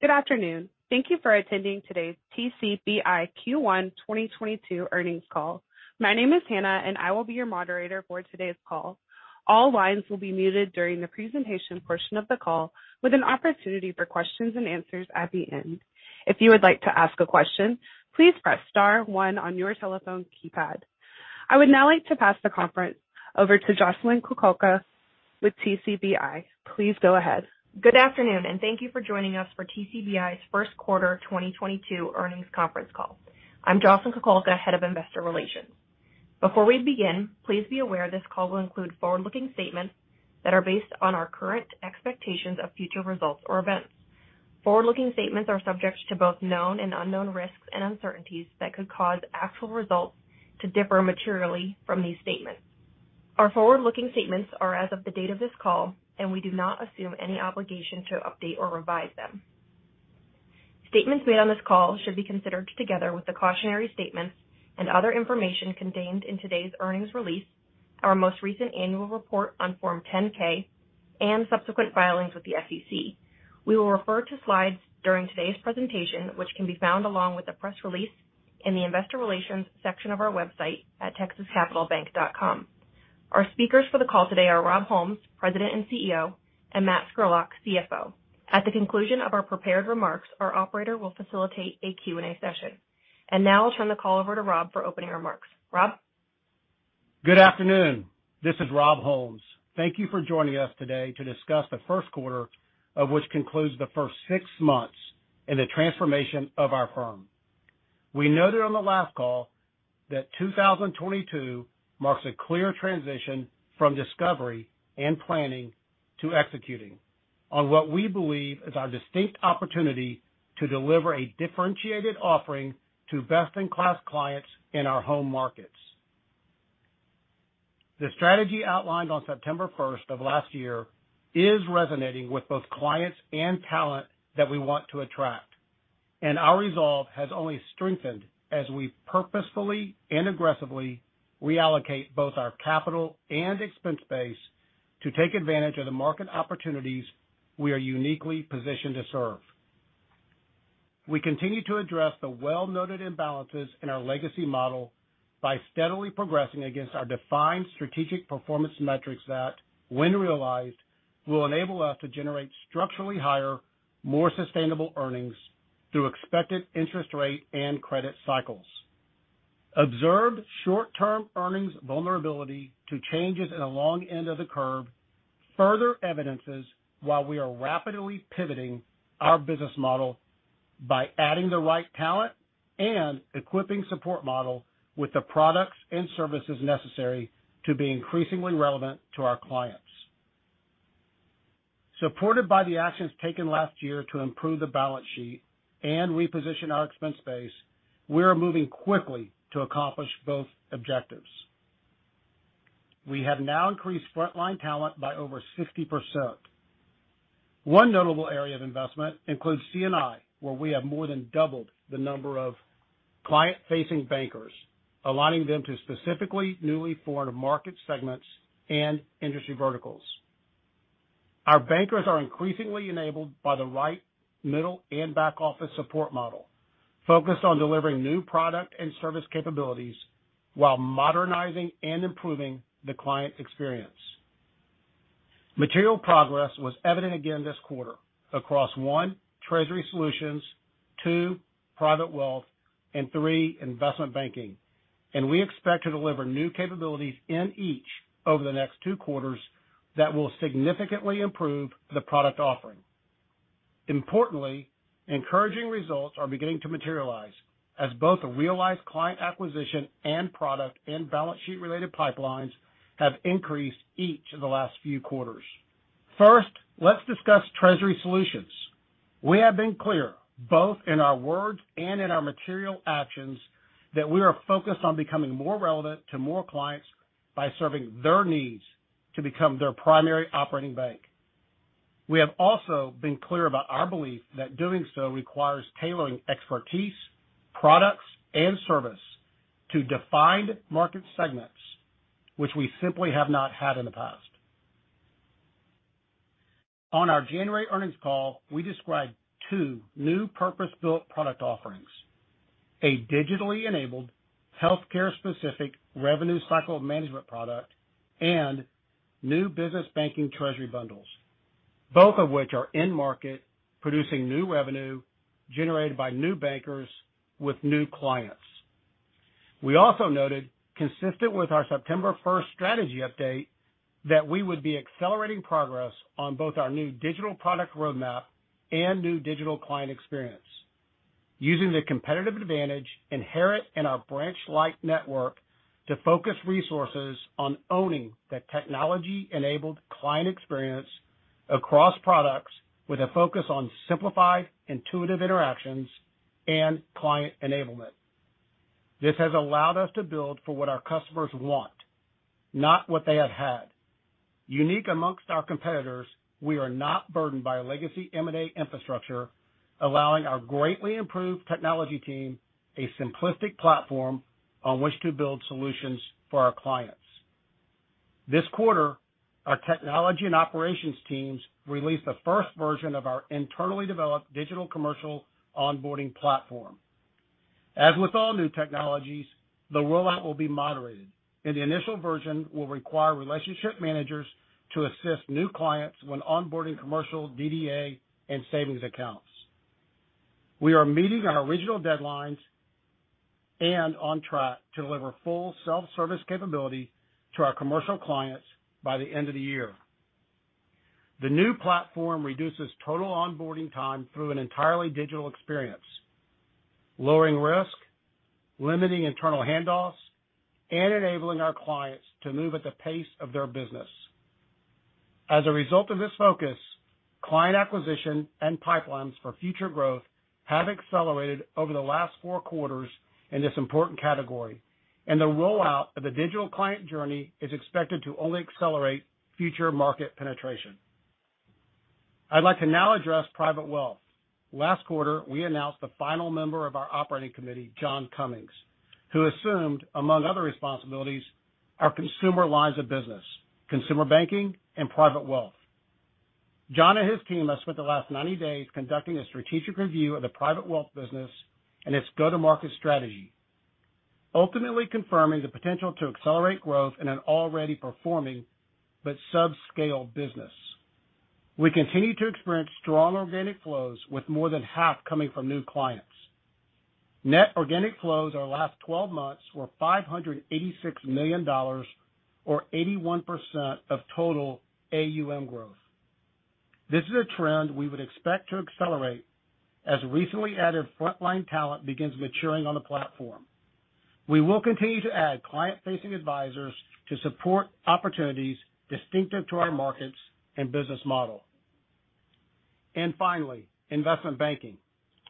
Good afternoon. Thank you for attending today's TCBI Q1 2022 Earnings Call. My name is Hannah, and I will be your moderator for today's call. All lines will be muted during the presentation portion of the call with an opportunity for questions and answers at the end. If you would like to ask a question, please press star one on your telephone keypad. I would now like to pass the conference over to Jocelyn Kukulka with TCBI. Please go ahead. Good afternoon and thank you for joining us for TCBI's First Quarter 2022 Earnings Conference Call. I'm Jo Kukulka, Head of Investor Relations. Before we begin, please be aware this call will include forward-looking statements that are based on our current expectations of future results or events. Forward-looking statements are subject to both known and unknown risks and uncertainties that could cause actual results to differ materially from these statements. Our forward-looking statements are as of the date of this call, and we do not assume any obligation to update or revise them. Statements made on this call should be considered together with the cautionary statements and other information contained in today's earnings release, our most recent annual report on Form 10-K, and subsequent filings with the SEC. We will refer to slides during today's presentation, which can be found along with the press release in the Investor Relations section of our website at texascapitalbank.com. Our speakers for the call today are Rob Holmes, President and CEO, and Matt Scurlock, CFO. At the conclusion of our prepared remarks, our operator will facilitate a Q&A session. Now I'll turn the call over to Rob for opening remarks. Rob? Good afternoon. This is Rob Holmes. Thank you for joining us today to discuss the first quarter of which concludes the first six months in the transformation of our firm. We noted on the last call that 2022 marks a clear transition from discovery and planning to executing on what we believe is our distinct opportunity to deliver a differentiated offering to best-in-class clients in our home markets. The strategy outlined on September first of last year is resonating with both clients and talent that we want to attract, and our resolve has only strengthened as we purposefully and aggressively reallocate both our capital and expense base to take advantage of the market opportunities we are uniquely positioned to serve. We continue to address the well-noted imbalances in our legacy model by steadily progressing against our defined strategic performance metrics that, when realized, will enable us to generate structurally higher, more sustainable earnings through expected interest rate and credit cycles. Observed short-term earnings vulnerability to changes in the long end of the curve further evidences while we are rapidly pivoting our business model by adding the right talent and equipping support model with the products and services necessary to be increasingly relevant to our clients. Supported by the actions taken last year to improve the balance sheet and reposition our expense base, we are moving quickly to accomplish both objectives. We have now increased frontline talent by over 60%. One notable area of investment includes C&I, where we have more than doubled the number of client-facing bankers, allotting them specifically to new foreign market segments and industry verticals. Our bankers are increasingly enabled by the right middle and back-office support model, focused on delivering new product and service capabilities while modernizing and improving the client experience. Material progress was evident again this quarter across, one, treasury solutions, two, private wealth, and three, investment banking. We expect to deliver new capabilities in each over the next two quarters that will significantly improve the product offering. Importantly, encouraging results are beginning to materialize as both the realized client acquisition and product and balance sheet related pipelines have increased each of the last few quarters. First, let's discuss treasury solutions. We have been clear, both in our words and in our material actions that we are focused on becoming more relevant to more clients by serving their needs to become their primary operating bank. We have also been clear about our belief that doing so requires tailoring expertise, products, and service to defined market segments which we simply have not had in the past. On our January earnings call, we described two new purpose-built product offerings, a digitally enabled healthcare specific revenue cycle management product and new business banking treasury bundles, both of which are in market producing new revenue generated by new bankers with new clients. We also noted, consistent with our September first strategy update that we would be accelerating progress on both our new digital product roadmap and new digital client experience using the competitive advantage inherent in our branch-like network to focus resources on owning the technology-enabled client experience across products with a focus on simplified, intuitive interactions and client enablement. This has allowed us to build for what our customers want, not what they have had. Unique amongst our competitors, we are not burdened by a legacy M&A infrastructure, allowing our greatly improved technology team a simplistic platform on which to build solutions for our clients. This quarter, our technology and operations teams released the first version of our internally developed digital commercial onboarding platform. As with all new technologies, the rollout will be moderated, and the initial version will require relationship managers to assist new clients when onboarding commercial DDA and savings accounts. We are meeting our original deadlines and on track to deliver full self-service capability to our commercial clients by the end of the year. The new platform reduces total onboarding time through an entirely digital experience, lowering risk, limiting internal handoffs, and enabling our clients to move at the pace of their business. As a result of this focus, client acquisition and pipelines for future growth have accelerated over the last four quarters in this important category, and the rollout of the digital client journey is expected to only accelerate future market penetration. I'd like to now address private wealth. Last quarter, we announced the final member of our operating committee, John Cummings, who assumed, among other responsibilities, our consumer lines of business, consumer banking, and private wealth. John and his team have spent the last 90 days conducting a strategic review of the private wealth business and its go-to-market strategy, ultimately confirming the potential to accelerate growth in an already performing but subscale business. We continue to experience strong organic flows with more than half coming from new clients. Net organic flows over the last 12 months were $586 million or 81% of total AUM growth. This is a trend we would expect to accelerate as recently added frontline talent begins maturing on the platform. We will continue to add client-facing advisors to support opportunities distinctive to our markets and business model. Finally, investment banking.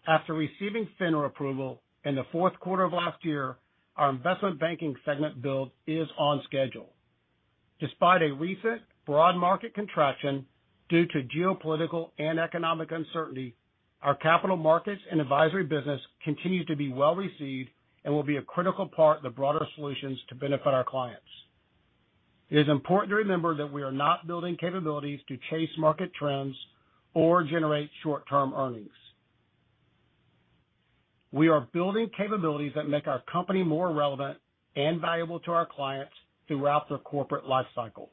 After receiving FINRA approval in the fourth quarter of last year, our investment banking segment build is on schedule. Despite a recent broad market contraction due to geopolitical and economic uncertainty, our capital markets and advisory business continue to be well-received and will be a critical part of the broader solutions to benefit our clients. It is important to remember that we are not building capabilities to chase market trends or generate short-term earnings. We are building capabilities that make our company more relevant and valuable to our clients throughout their corporate life cycle.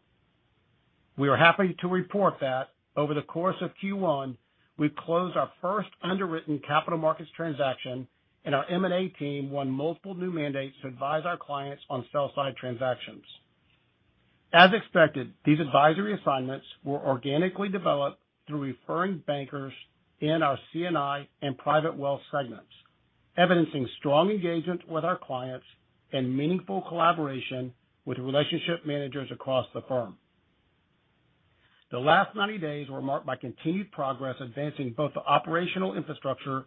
We are happy to report that over the course of Q1, we closed our first underwritten capital markets transaction and our M&A team won multiple new mandates to advise our clients on sell-side transactions. As expected, these advisory assignments were organically developed through referring bankers in our C&I and private wealth segments, evidencing strong engagement with our clients and meaningful collaboration with relationship managers across the firm. The last 90 days were marked by continued progress advancing both the operational infrastructure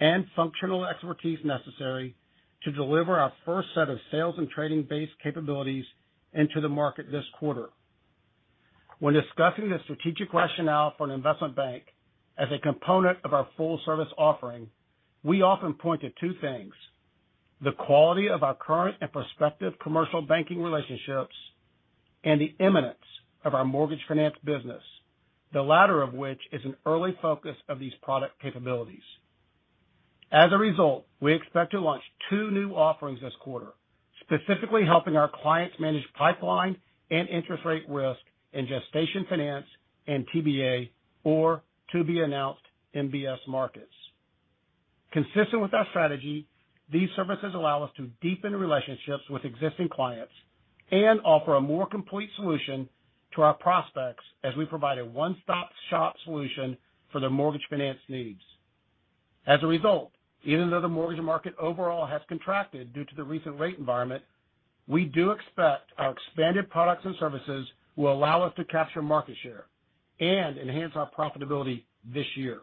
and functional expertise necessary to deliver our first set of sales and trading-based capabilities into the market this quarter. When discussing the strategic rationale for an investment bank as a component of our full-service offering, we often point to two things, the quality of our current and prospective commercial banking relationships and the imminence of our mortgage finance business, the latter of which is an early focus of these product capabilities. As a result, we expect to launch two new offerings this quarter, specifically helping our clients manage pipeline and interest rate risk in gestation finance and TBA, or to be announced, MBS markets. Consistent with our strategy, these services allow us to deepen relationships with existing clients and offer a more complete solution to our prospects as we provide a one-stop-shop solution for their mortgage finance needs. As a result, even though the mortgage market overall has contracted due to the recent rate environment, we do expect our expanded products and services will allow us to capture market share and enhance our profitability this year.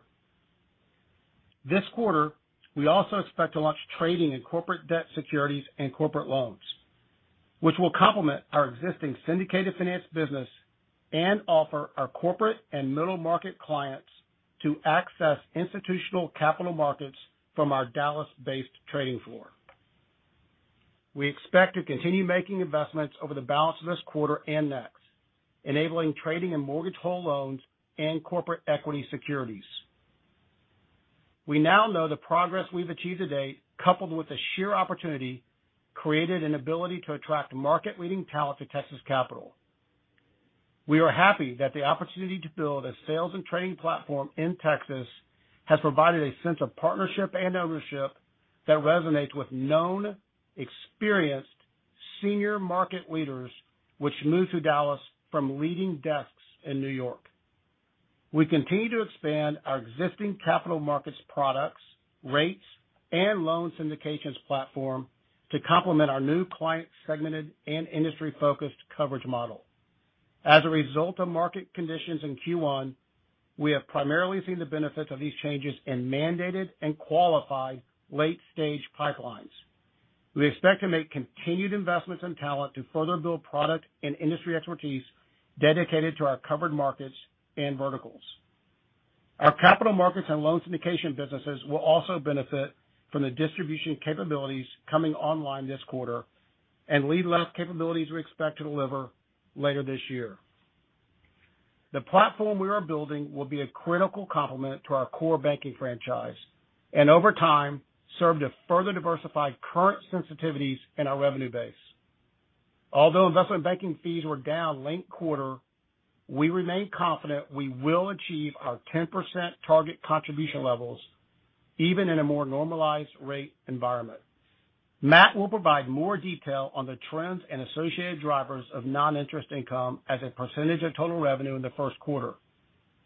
This quarter, we also expect to launch trading in corporate debt securities and corporate loans, which will complement our existing syndicated finance business and offer our corporate and middle-market clients to access institutional capital markets from our Dallas-based trading floor. We expect to continue making investments over the balance of this quarter and next, enabling trading in mortgage whole loans and corporate equity securities. We now know the progress we've achieved to date, coupled with the sheer opportunity, created an ability to attract market-leading talent to Texas Capital. We are happy that the opportunity to build a sales and trading platform in Texas has provided a sense of partnership and ownership that resonates with known, experienced senior market leaders, which moved to Dallas from leading desks in New York. We continue to expand our existing capital markets products, rates, and loan syndications platform to complement our new client segmented and industry-focused coverage model. As a result of market conditions in Q1, we have primarily seen the benefits of these changes in mandated and qualified late-stage pipelines. We expect to make continued investments in talent to further build product and industry expertise dedicated to our covered markets and verticals. Our capital markets and loan syndication businesses will also benefit from the distribution capabilities coming online this quarter and lead gen capabilities we expect to deliver later this year. The platform we are building will be a critical complement to our core banking franchise and over time serve to further diversify current sensitivities in our revenue base. Although investment banking fees were down linked quarter, we remain confident we will achieve our 10% target contribution levels even in a more normalized rate environment. Matt will provide more detail on the trends and associated drivers of non-interest income as a percentage of total revenue in the first quarter.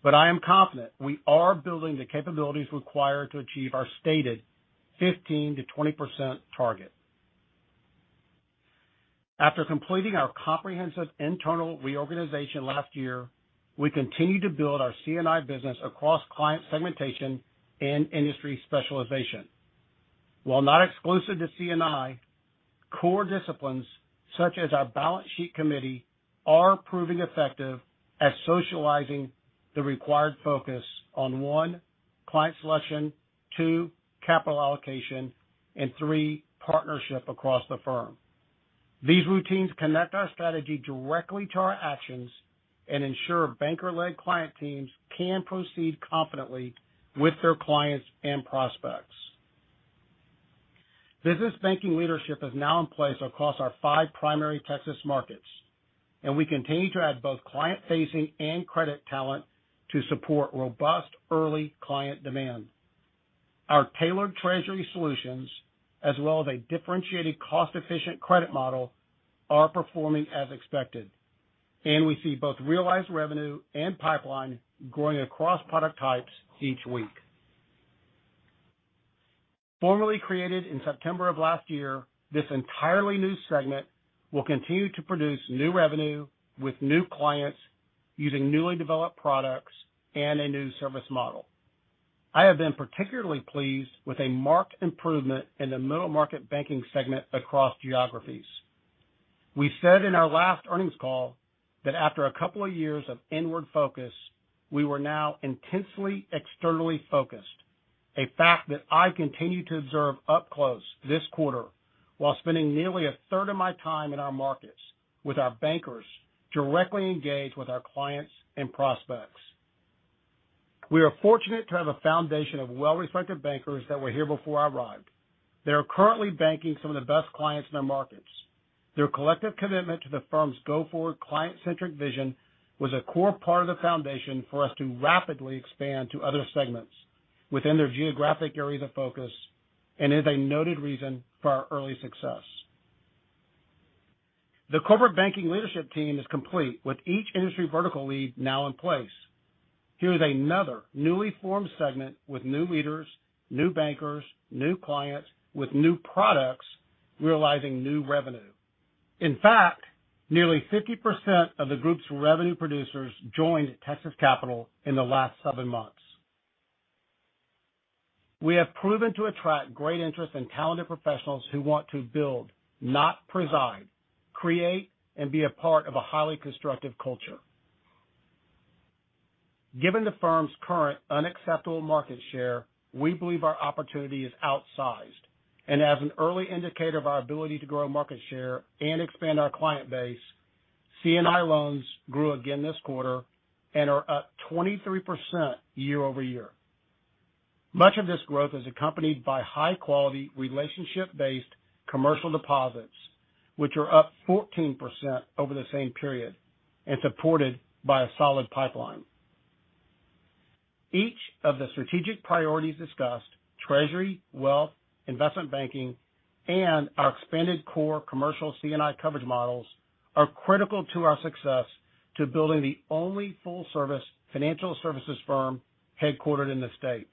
I am confident we are building the capabilities required to achieve our stated 15%-20% target. After completing our comprehensive internal reorganization last year, we continue to build our C&I business across client segmentation and industry specialization. While not exclusive to C&I, core disciplines such as our balance sheet committee are proving effective at socializing the required focus on, one, client selection, two, capital allocation, and three, partnership across the firm. These routines connect our strategy directly to our actions and ensure banker-led client teams can proceed confidently with their clients and prospects. Business banking leadership is now in place across our five primary Texas markets, and we continue to add both client-facing and credit talent to support robust early client demand. Our tailored treasury solutions, as well as a differentiated cost-efficient credit model, are performing as expected, and we see both realized revenue and pipeline growing across product types each week. Formally created in September of last year, this entirely new segment will continue to produce new revenue with new clients using newly developed products and a new service model. I have been particularly pleased with a marked improvement in the middle market banking segment across geographies. We said in our last earnings call that after a couple of years of inward focus, we were now intensely externally focused, a fact that I continue to observe up close this quarter while spending nearly a third of my time in our markets with our bankers directly engaged with our clients and prospects. We are fortunate to have a foundation of well-respected bankers that were here before I arrived. They are currently banking some of the best clients in our markets. Their collective commitment to the firm's go-forward client-centric vision was a core part of the foundation for us to rapidly expand to other segments within their geographic areas of focus and is a noted reason for our early success. The corporate banking leadership team is complete, with each industry vertical lead now in place. Here is another newly formed segment with new leaders, new bankers, new clients with new products realizing new revenue. In fact, nearly 50% of the group's revenue producers joined Texas Capital in the last seven months. We have proven to attract great interest and talented professionals who want to build, not preside, create and be a part of a highly constructive culture. Given the firm's current unacceptable market share, we believe our opportunity is outsized. As an early indicator of our ability to grow market share and expand our client base, C&I loans grew again this quarter and are up 23% year-over-year. Much of this growth is accompanied by high-quality, relationship-based commercial deposits, which are up 14% over the same period and supported by a solid pipeline. Each of the strategic priorities discussed, treasury, wealth, investment banking, and our expanded core commercial C&I coverage models are critical to our success in building the only full service financial services firm headquartered in the state.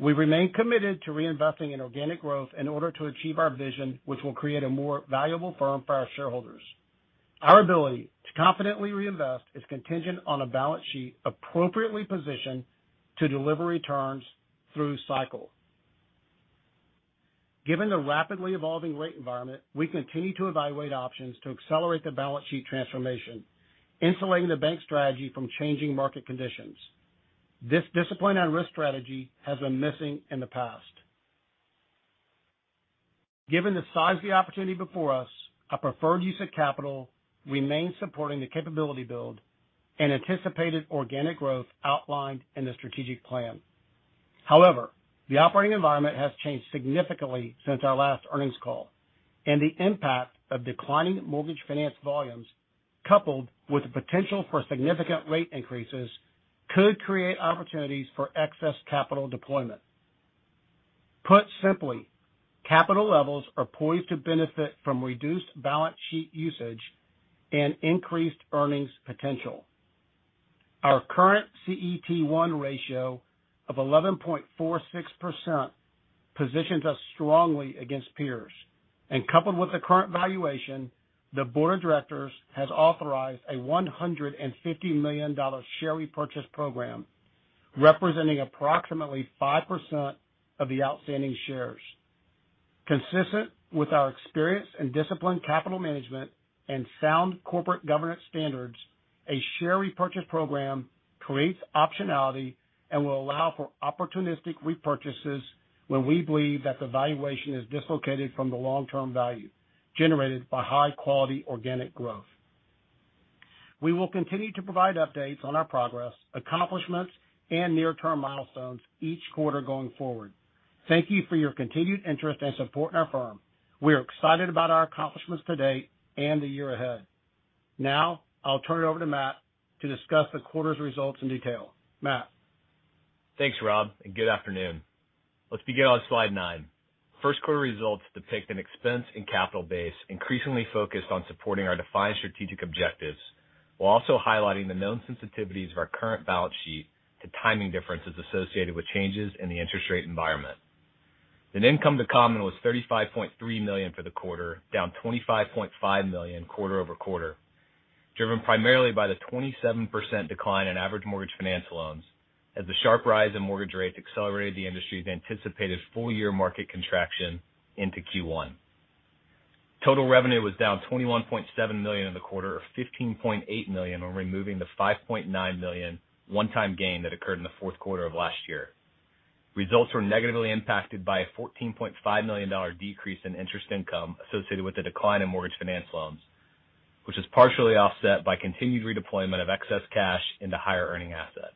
We remain committed to reinvesting in organic growth in order to achieve our vision, which will create a more valuable firm for our shareholders. Our ability to confidently reinvest is contingent on a balance sheet appropriately positioned to deliver returns through cycle. Given the rapidly evolving rate environment, we continue to evaluate options to accelerate the balance sheet transformation, insulating the bank strategy from changing market conditions. This discipline and risk strategy has been missing in the past. Given the size of the opportunity before us, our preferred use of capital remains supporting the capability build and anticipated organic growth outlined in the strategic plan. However, the operating environment has changed significantly since our last earnings call, and the impact of declining mortgage finance volumes, coupled with the potential for significant rate increases, could create opportunities for excess capital deployment. Put simply, capital levels are poised to benefit from reduced balance sheet usage and increased earnings potential. Our current CET1 ratio of 11.46% positions us strongly against peers. Coupled with the current valuation, the board of directors has authorized a $150 million share repurchase program representing approximately 5% of the outstanding shares. Consistent with our experience in disciplined capital management and sound corporate governance standards, a share repurchase program creates optionality and will allow for opportunistic repurchases when we believe that the valuation is dislocated from the long-term value generated by high-quality organic growth. We will continue to provide updates on our progress, accomplishments, and near-term milestones each quarter going forward. Thank you for your continued interest and support in our firm. We are excited about our accomplishments to date and the year ahead. Now, I'll turn it over to Matt to discuss the quarter's results in detail. Matt? Thanks, Rob, and good afternoon. Let's begin on slide nine. First quarter results depict an expansion in capital base, increasingly focused on supporting our defined strategic objectives, while also highlighting the known sensitivities of our current balance sheet to timing differences associated with changes in the interest rate environment. Income to common was $35.3 million for the quarter, down $25.5 million quarter-over-quarter, driven primarily by the 27% decline in average mortgage finance loans as the sharp rise in mortgage rates accelerated the industry's anticipated full-year market contraction into Q1. Total revenue was down $21.7 million in the quarter, or $15.8 million when removing the $5.9 million one-time gain that occurred in the fourth quarter of last year. Results were negatively impacted by a $14.5 million decrease in interest income associated with the decline in mortgage finance loans, which is partially offset by continued redeployment of excess cash into higher-earning assets.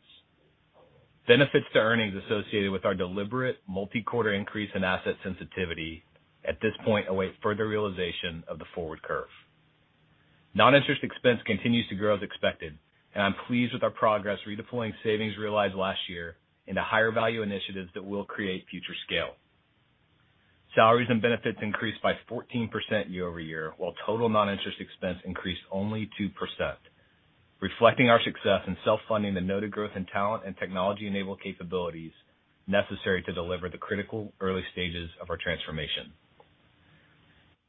Benefits to earnings associated with our deliberate multi-quarter increase in asset sensitivity at this point await further realization of the forward curve. Non-interest expense continues to grow as expected, and I'm pleased with our progress redeploying savings realized last year into higher value initiatives that will create future scale. Salaries and benefits increased by 14% year-over-year, while total non-interest expense increased only 2%, reflecting our success in self-funding the noted growth in talent and technology-enabled capabilities necessary to deliver the critical early stages of our transformation.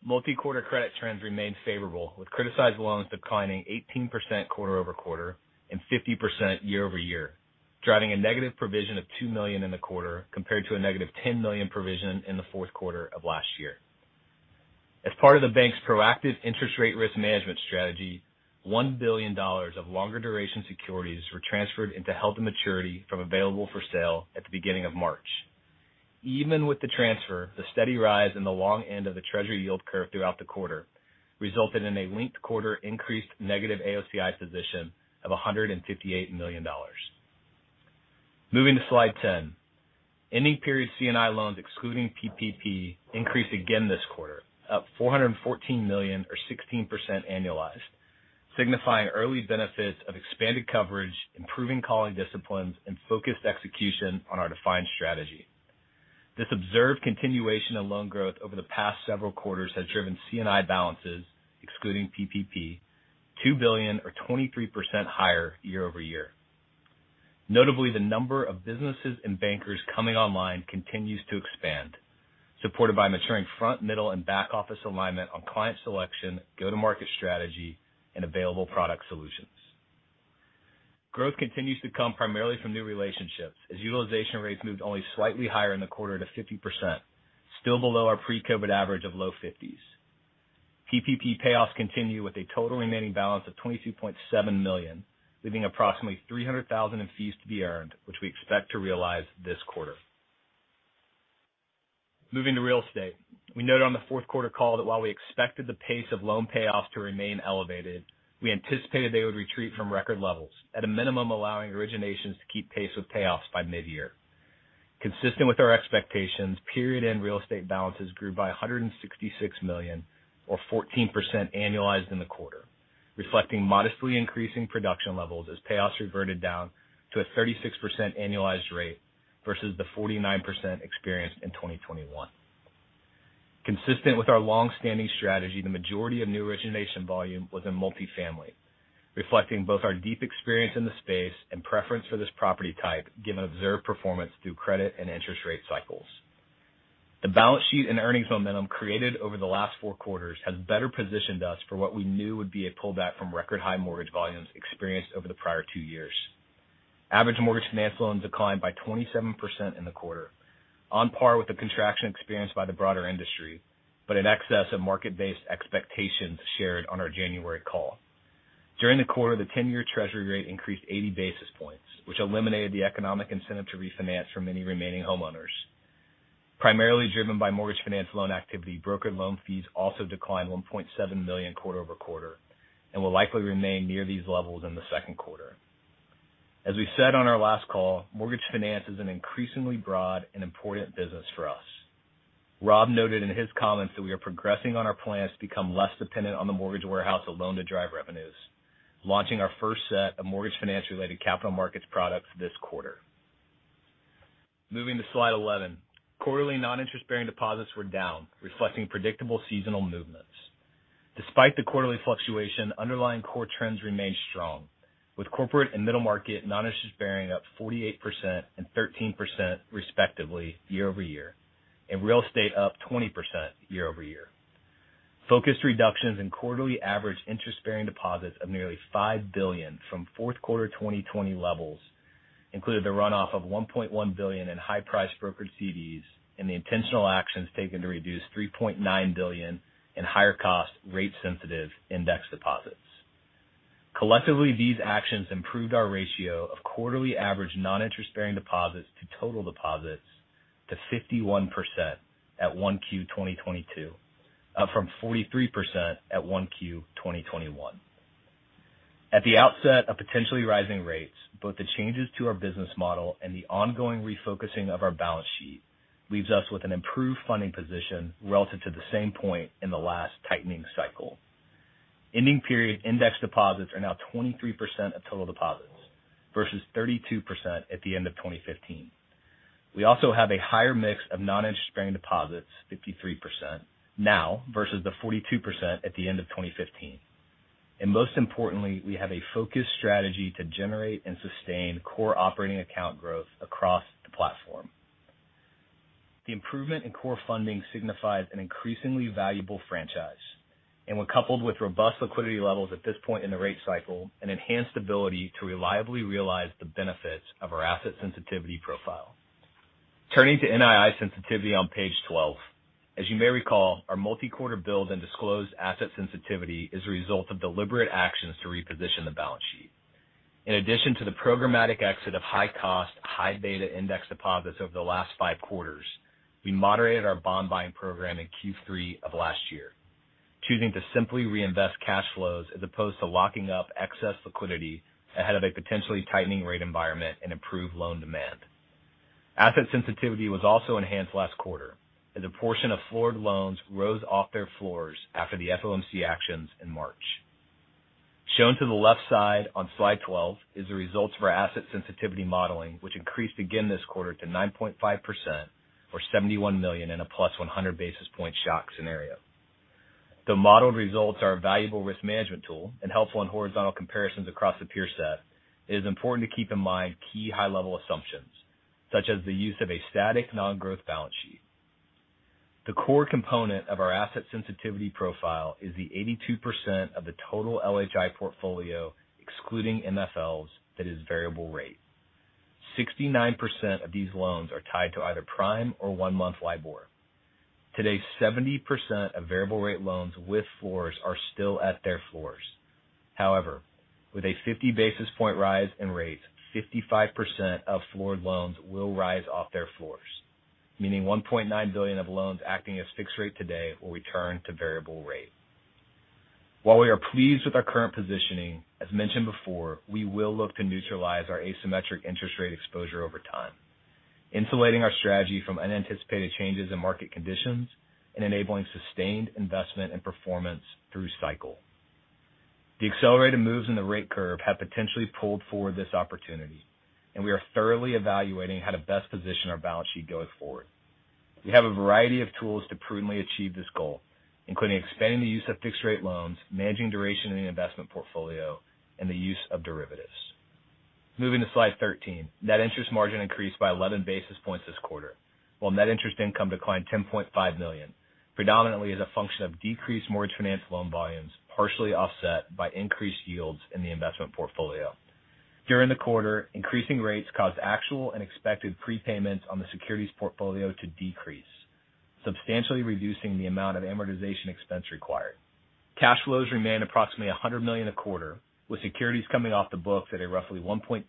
Multi-quarter credit trends remain favorable, with criticized loans declining 18% quarter-over-quarter and 50% year-over-year, driving a negative provision of $2 million in the quarter compared to a negative $10 million provision in the fourth quarter of last year. As part of the bank's proactive interest rate risk management strategy, $1 billion of longer duration securities were transferred into held-to-maturity from available-for-sale at the beginning of March. Even with the transfer, the steady rise in the long end of the Treasury yield curve throughout the quarter resulted in a linked-quarter increased negative AOCI position of $158 million. Moving to slide 10. Ending period C&I loans excluding PPP increased again this quarter, up $414 million or 16% annualized, signifying early benefits of expanded coverage, improving calling disciplines, and focused execution on our defined strategy. This observed continuation of loan growth over the past several quarters has driven C&I balances, excluding PPP, $2 billion or 23% higher year-over-year. Notably, the number of businesses and bankers coming online continues to expand, supported by maturing front, middle, and back office alignment on client selection, go-to-market strategy, and available product solutions. Growth continues to come primarily from new relationships as utilization rates moved only slightly higher in the quarter to 50%, still below our pre-COVID average of low 50s. PPP payoffs continue with a total remaining balance of $22.7 million, leaving approximately $300,000 in fees to be earned, which we expect to realize this quarter. Moving to real estate. We noted on the fourth quarter call that while we expected the pace of loan payoffs to remain elevated, we anticipated they would retreat from record levels at a minimum, allowing originations to keep pace with payoffs by mid-year. Consistent with our expectations, period-end real estate balances grew by $166 million or 14% annualized in the quarter, reflecting modestly increasing production levels as payoffs reverted down to a 36% annualized rate versus the 49% experienced in 2021. Consistent with our long-standing strategy, the majority of new origination volume was in multifamily, reflecting both our deep experience in the space and preference for this property type given observed performance through credit and interest rate cycles. The balance sheet and earnings momentum created over the last four quarters has better positioned us for what we knew would be a pullback from record high mortgage volumes experienced over the prior two years. Average mortgage finance loans declined by 27% in the quarter, on par with the contraction experienced by the broader industry, but in excess of market-based expectations shared on our January call. During the quarter, the 10-year Treasury rate increased 80 basis points, which eliminated the economic incentive to refinance for many remaining homeowners. Primarily driven by mortgage finance loan activity, brokered loan fees also declined $1.7 million quarter-over-quarter and will likely remain near these levels in the second quarter. As we said on our last call, mortgage finance is an increasingly broad and important business for us. Rob noted in his comments that we are progressing on our plans to become less dependent on the mortgage warehouse loan to drive revenues, launching our first set of mortgage finance-related capital markets products this quarter. Moving to slide 11. Quarterly non-interest-bearing deposits were down, reflecting predictable seasonal movements. Despite the quarterly fluctuation, underlying core trends remained strong, with corporate and middle market noninterest-bearing up 48% and 13% respectively year-over-year, and real estate up 20% year-over-year. Focused reductions in quarterly average interest-bearing deposits of nearly $5 billion from fourth quarter 2020 levels included the runoff of $1.1 billion in high-priced broker CDs and the intentional actions taken to reduce $3.9 billion in higher-cost rate-sensitive index deposits. Collectively, these actions improved our ratio of quarterly average noninterest-bearing deposits to total deposits to 51% at 1Q 2022, up from 43% at 1Q 2021. At the outset of potentially rising rates, both the changes to our business model and the ongoing refocusing of our balance sheet leaves us with an improved funding position relative to the same point in the last tightening cycle. Ending period index deposits are now 23% of total deposits versus 32% at the end of 2015. We also have a higher mix of non-interest bearing deposits, 53% now versus the 42% at the end of 2015. Most importantly, we have a focused strategy to generate and sustain core operating account growth across the platform. The improvement in core funding signifies an increasingly valuable franchise, and when coupled with robust liquidity levels at this point in the rate cycle, an enhanced ability to reliably realize the benefits of our asset sensitivity profile. Turning to NII sensitivity on page 12. As you may recall, our multi-quarter build and disclosed asset sensitivity is a result of deliberate actions to reposition the balance sheet. In addition to the programmatic exit of high cost, high beta index deposits over the last five quarters, we moderated our bond buying program in Q3 of last year, choosing to simply reinvest cash flows as opposed to locking up excess liquidity ahead of a potentially tightening rate environment and improved loan demand. Asset sensitivity was also enhanced last quarter as a portion of floored loans rose off their floors after the FOMC actions in March. Shown to the left side on slide 12 is the results of our asset sensitivity modeling, which increased again this quarter to 9.5% or $71 million in a +100 basis point shock scenario. The modeled results are a valuable risk management tool and helpful in horizontal comparisons across the peer set. It is important to keep in mind key high level assumptions such as the use of a static non-growth balance sheet. The core component of our asset sensitivity profile is the 82% of the total LHI portfolio, excluding MFLs, that is variable rate. 69% of these loans are tied to either prime or one-month LIBOR. Today, 70% of variable rate loans with floors are still at their floors. However, with a 50 basis point rise in rates, 55% of floored loans will rise off their floors, meaning $1.9 billion of loans acting as fixed rate today will return to variable rate. While we are pleased with our current positioning, as mentioned before, we will look to neutralize our asymmetric interest rate exposure over time, insulating our strategy from unanticipated changes in market conditions and enabling sustained investment and performance through cycle. The accelerated moves in the rate curve have potentially pulled forward this opportunity, and we are thoroughly evaluating how to best position our balance sheet going forward. We have a variety of tools to prudently achieve this goal, including expanding the use of fixed rate loans, managing duration in the investment portfolio, and the use of derivatives. Moving to slide 13. Net interest margin increased by 11 basis points this quarter, while net interest income declined $10.5 million, predominantly as a function of decreased mortgage finance loan volumes, partially offset by increased yields in the investment portfolio. During the quarter, increasing rates caused actual and expected prepayments on the securities portfolio to decrease, substantially reducing the amount of amortization expense required. Cash flows remain approximately $100 million a quarter, with securities coming off the books at a roughly 1.2%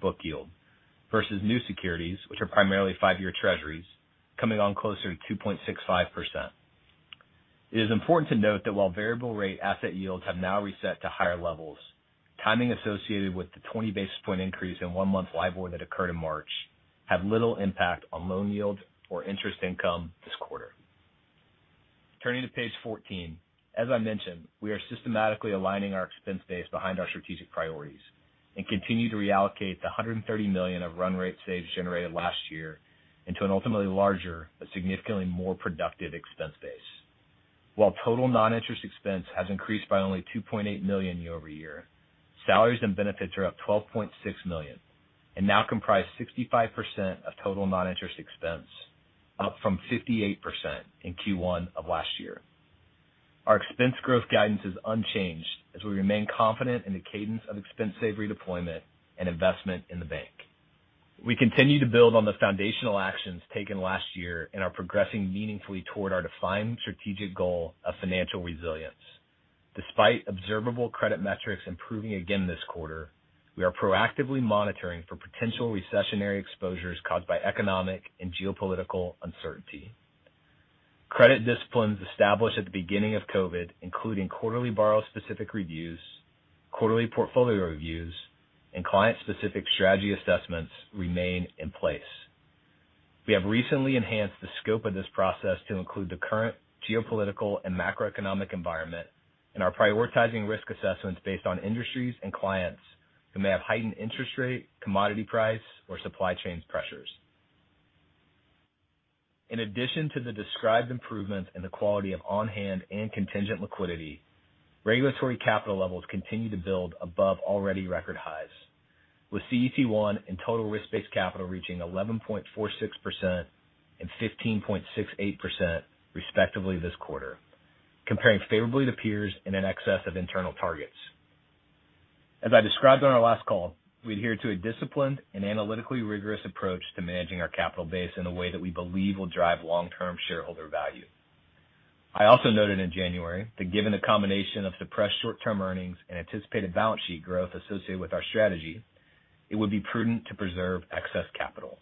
book yield versus new securities which are primarily five-year Treasuries coming on closer to 2.65%. It is important to note that while variable rate asset yields have now reset to higher levels, timing associated with the 20 basis point increase in one-month LIBOR that occurred in March have little impact on loan yield or interest income this quarter. Turning to page 14. As I mentioned, we are systematically aligning our expense base behind our strategic priorities and continue to reallocate the $130 million of run rate saves generated last year into an ultimately larger but significantly more productive expense base. While total non-interest expense has increased by only $2.8 million year-over-year, salaries and benefits are up $12.6 million and now comprise 65% of total non-interest expense, up from 58% in Q1 of last year. Our expense growth guidance is unchanged as we remain confident in the cadence of expense save redeployment and investment in the bank. We continue to build on the foundational actions taken last year and are progressing meaningfully toward our defined strategic goal of financial resilience. Despite observable credit metrics improving again this quarter, we are proactively monitoring for potential recessionary exposures caused by economic and geopolitical uncertainty. Credit disciplines established at the beginning of COVID, including quarterly borrower specific reviews, quarterly portfolio reviews, and client specific strategy assessments remain in place. We have recently enhanced the scope of this process to include the current geopolitical and macroeconomic environment and are prioritizing risk assessments based on industries and clients who may have heightened interest rate, commodity price or supply chain pressures. In addition to the described improvements in the quality of on-hand and contingent liquidity, regulatory capital levels continue to build above already record highs. With CET1 and total risk-based capital reaching 11.46% and 15.68% respectively this quarter, comparing favorably to peers in excess of internal targets. As I described on our last call, we adhere to a disciplined and analytically rigorous approach to managing our capital base in a way that we believe will drive long-term shareholder value. I also noted in January that given the combination of suppressed short-term earnings and anticipated balance sheet growth associated with our strategy, it would be prudent to preserve excess capital.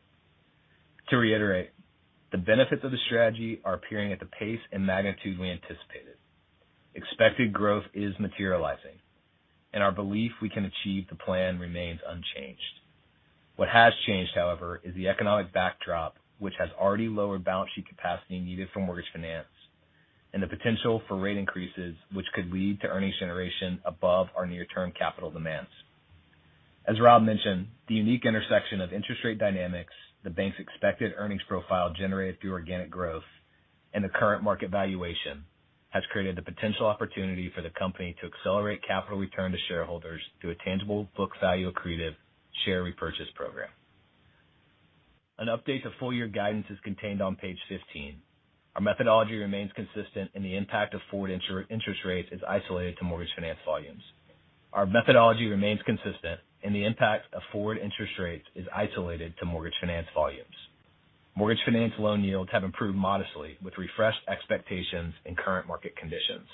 To reiterate, the benefits of the strategy are appearing at the pace and magnitude we anticipated. Expected growth is materializing, and our belief we can achieve the plan remains unchanged. What has changed, however, is the economic backdrop, which has already lowered balance sheet capacity needed for mortgage finance and the potential for rate increases, which could lead to earnings generation above our near-term capital demands. As Rob mentioned, the unique intersection of interest rate dynamics, the bank's expected earnings profile generated through organic growth, and the current market valuation has created the potential opportunity for the company to accelerate capital return to shareholders through a tangible book value accretive share repurchase program. An update to full year guidance is contained on page 15. Our methodology remains consistent, and the impact of forward interest rates is isolated to mortgage finance volumes. Mortgage finance loan yields have improved modestly with refreshed expectations in current market conditions.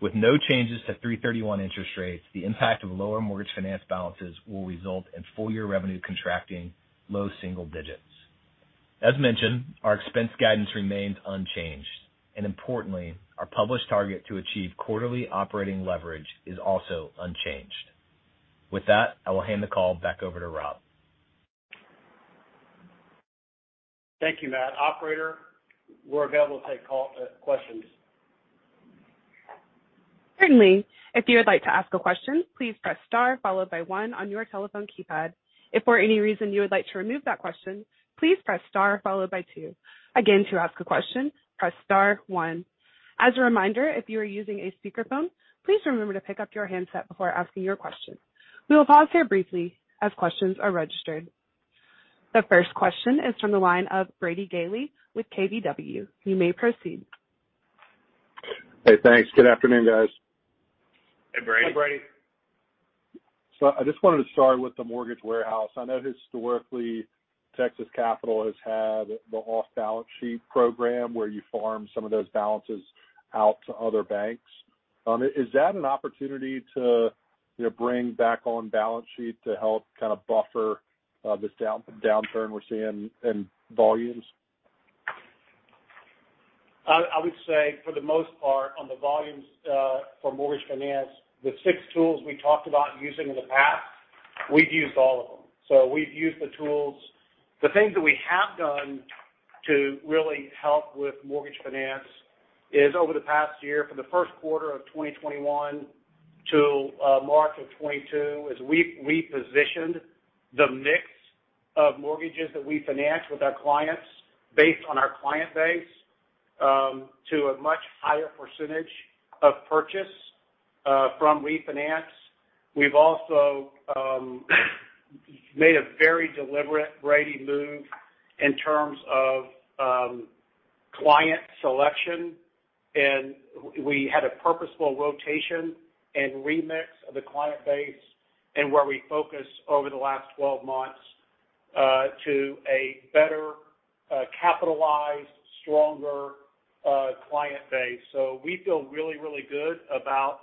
With no changes to 3.31% interest rates, the impact of lower mortgage finance balances will result in full year revenue contracting low single digits. As mentioned, our expense guidance remains unchanged, and importantly, our published target to achieve quarterly operating leverage is also unchanged. With that, I will hand the call back over to Rob. Thank you, Matt. Operator, we're available to take calls, questions. Certainly. If you would like to ask a question, please press star followed by one on your telephone keypad. If for any reason you would like to remove that question, please press star followed by two. Again, to ask a question, press star one. As a reminder, if you are using a speakerphone, please remember to pick up your handset before asking your question. We will pause here briefly as questions are registered. The first question is from the line of Brady Gailey with KBW. You may proceed. Hey, thanks. Good afternoon, guys. Hey, Brady. Hey, Brady. I just wanted to start with the mortgage warehouse. I know historically, Texas Capital has had the off-balance sheet program where you farm some of those balances out to other banks. Is that an opportunity to, you know, bring back on balance sheet to help kind of buffer this downturn we're seeing in volumes? I would say for the most part, on the volumes, for mortgage finance, the six tools we talked about using in the past, we've used all of them. We've used the tools. The things that we have done to really help with mortgage finance is over the past year, from the first quarter of 2021 to March of 2022, is we repositioned the mix of mortgages that we finance with our clients based on our client base, to a much higher percentage of purchase from refinance. We've also made a very deliberate, Brady, move in terms of client selection, and we had a purposeful rotation and remix of the client base and where we focus over the last 12 months, to a better capitalized, stronger client base. We feel really, really good about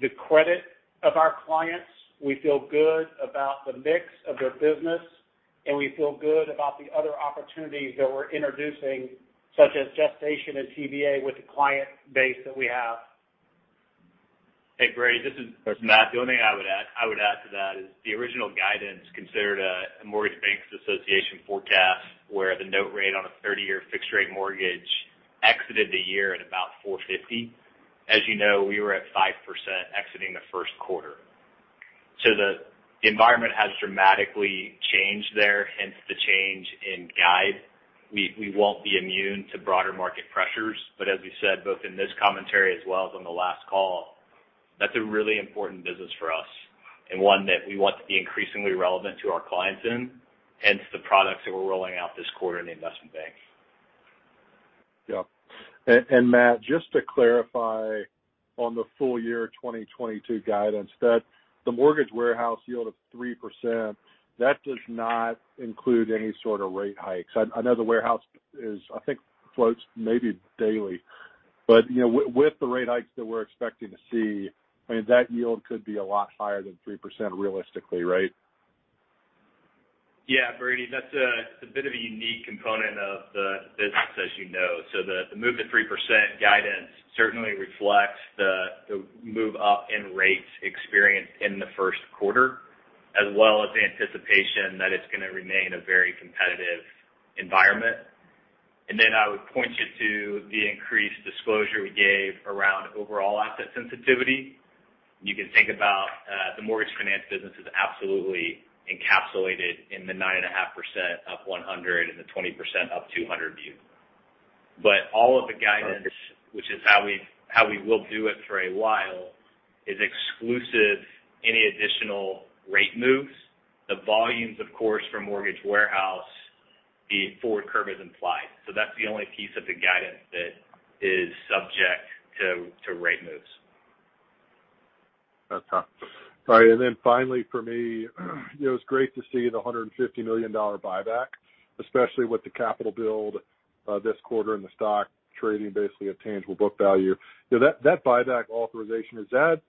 the credit of our clients. We feel good about the mix of their business, and we feel good about the other opportunities that we're introducing, such as Gestation and TBA with the client base that we have. Hey, Brady, this is Matt. The only thing I would add to that is the original guidance considered a Mortgage Bankers Association forecast where the note rate on a 30-year fixed rate mortgage exited the year at about 4.50%. As you know, we were at 5% exiting the first quarter. The environment has dramatically changed there, hence the change in guide. We won't be immune to broader market pressures, but as we said, both in this commentary as well as on the last call, that's a really important business for us and one that we want to be increasingly relevant to our clients in, hence the products that we're rolling out this quarter in the investment bank. Yeah. Matt, just to clarify on the full year 2022 guidance, that the mortgage warehouse yield of 3%, that does not include any sort of rate hikes. I know the warehouse is, I think, floats maybe daily. You know, with the rate hikes that we're expecting to see, I mean, that yield could be a lot higher than 3% realistically, right? Yeah, Brady, that's a bit of a unique component of the business, as you know. The move to 3% guidance certainly reflects the move up in rates experienced in the first quarter, as well as the anticipation that it's gonna remain a very competitive environment. I would point you to the increased disclosure we gave around overall asset sensitivity. You can think about the mortgage finance business is absolutely encapsulated in the 9.5% up 100 and the 20% up 200 view. All of the guidance, which is how we will do it for a while, is exclusive of any additional rate moves. The volumes, of course, for mortgage warehouse, the forward curve is implied. That's the only piece of the guidance that is subject to rate moves. That's tough. All right. Finally, for me, it was great to see the $150 million buyback, especially with the capital build this quarter and the stock trading basically at tangible book value. You know, that buyback authorization, is that,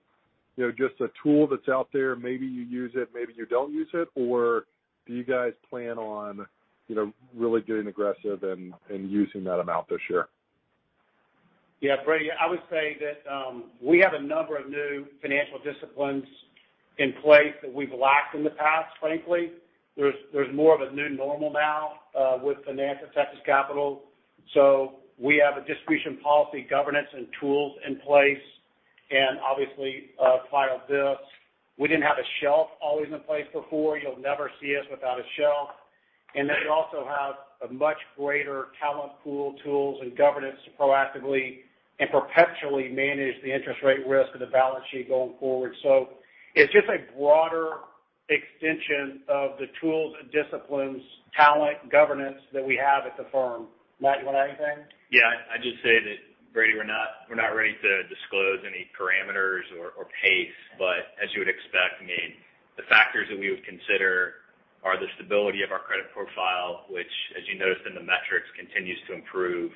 you know, just a tool that's out there, maybe you use it, maybe you don't use it, or do you guys plan on, you know, really getting aggressive and using that amount this year? Yeah, Brady, I would say that we have a number of new financial disciplines in place that we've lacked in the past, frankly. There's more of a new normal now with finance and Texas Capital. We have a distribution policy, governance, and tools in place and obviously ATM filings. We didn't have a shelf always in place before. You'll never see us without a shelf. We also have a much greater talent pool, tools, and governance to proactively and perpetually manage the interest rate risk of the balance sheet going forward. It's just a broader extension of the tools and disciplines, talent, governance that we have at the firm. Matt, you want to add anything? Yeah. I'd just say that, Brady, we're not ready to disclose any parameters or pace. As you would expect, I mean, the factors that we would consider are the stability of our credit profile, which as you noticed in the metrics, continues to improve,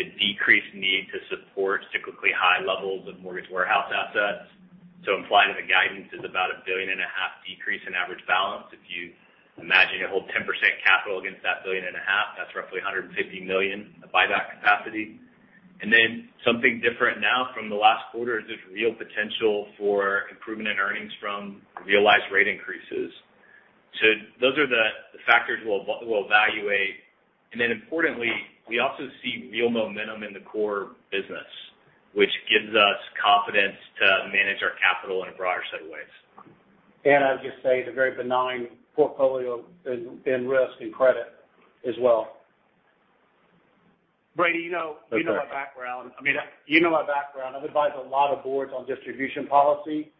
the decreased need to support cyclically high levels of mortgage warehouse assets. Implying that the guidance is about a $1.5 billion decrease in average balance. If you imagine you hold 10% capital against that $1.5 billion, that's roughly $150 million of buyback capacity. Then something different now from the last quarter is there's real potential for improvement in earnings from realized rate increases. Those are the factors we'll evaluate. Importantly, we also see real momentum in the core business, which gives us confidence to manage our capital in a broader set of ways. I'll just say it's a very benign portfolio in risk and credit as well. Brady, you know- Okay. You know my background. I mean, you know my background. I've advised a lot of boards on distribution policy,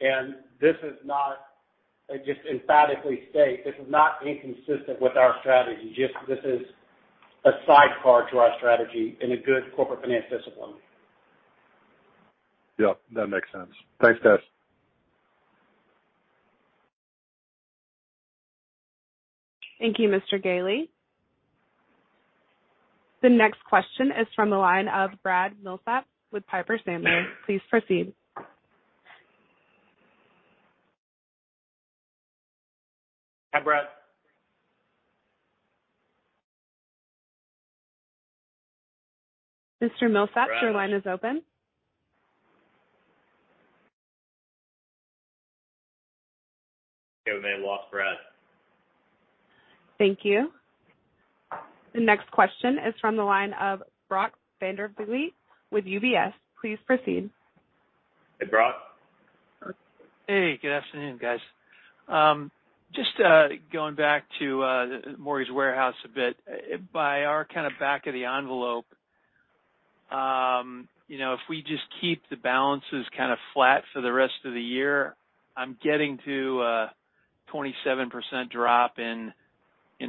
and this is not, I just emphatically state this is not inconsistent with our strategy. Just this is a sidecar to our strategy and a good corporate finance discipline. Yep, that makes sense. Thanks, guys. Thank you, Mr. Gailey. The next question is from the line of Brad Millsaps with Piper Sandler. Please proceed. Hi, Brad. Mr. Millsaps, your line is open. Okay. We may have lost Brad. Thank you. The next question is from the line of Brock Vandervliet with UBS. Please proceed. Hey, Brock. Hey, good afternoon, guys. Just going back to mortgage warehouse a bit. By our kind of back of the envelope, you know, if we just keep the balances kind of flat for the rest of the year, I'm getting to a 27% drop in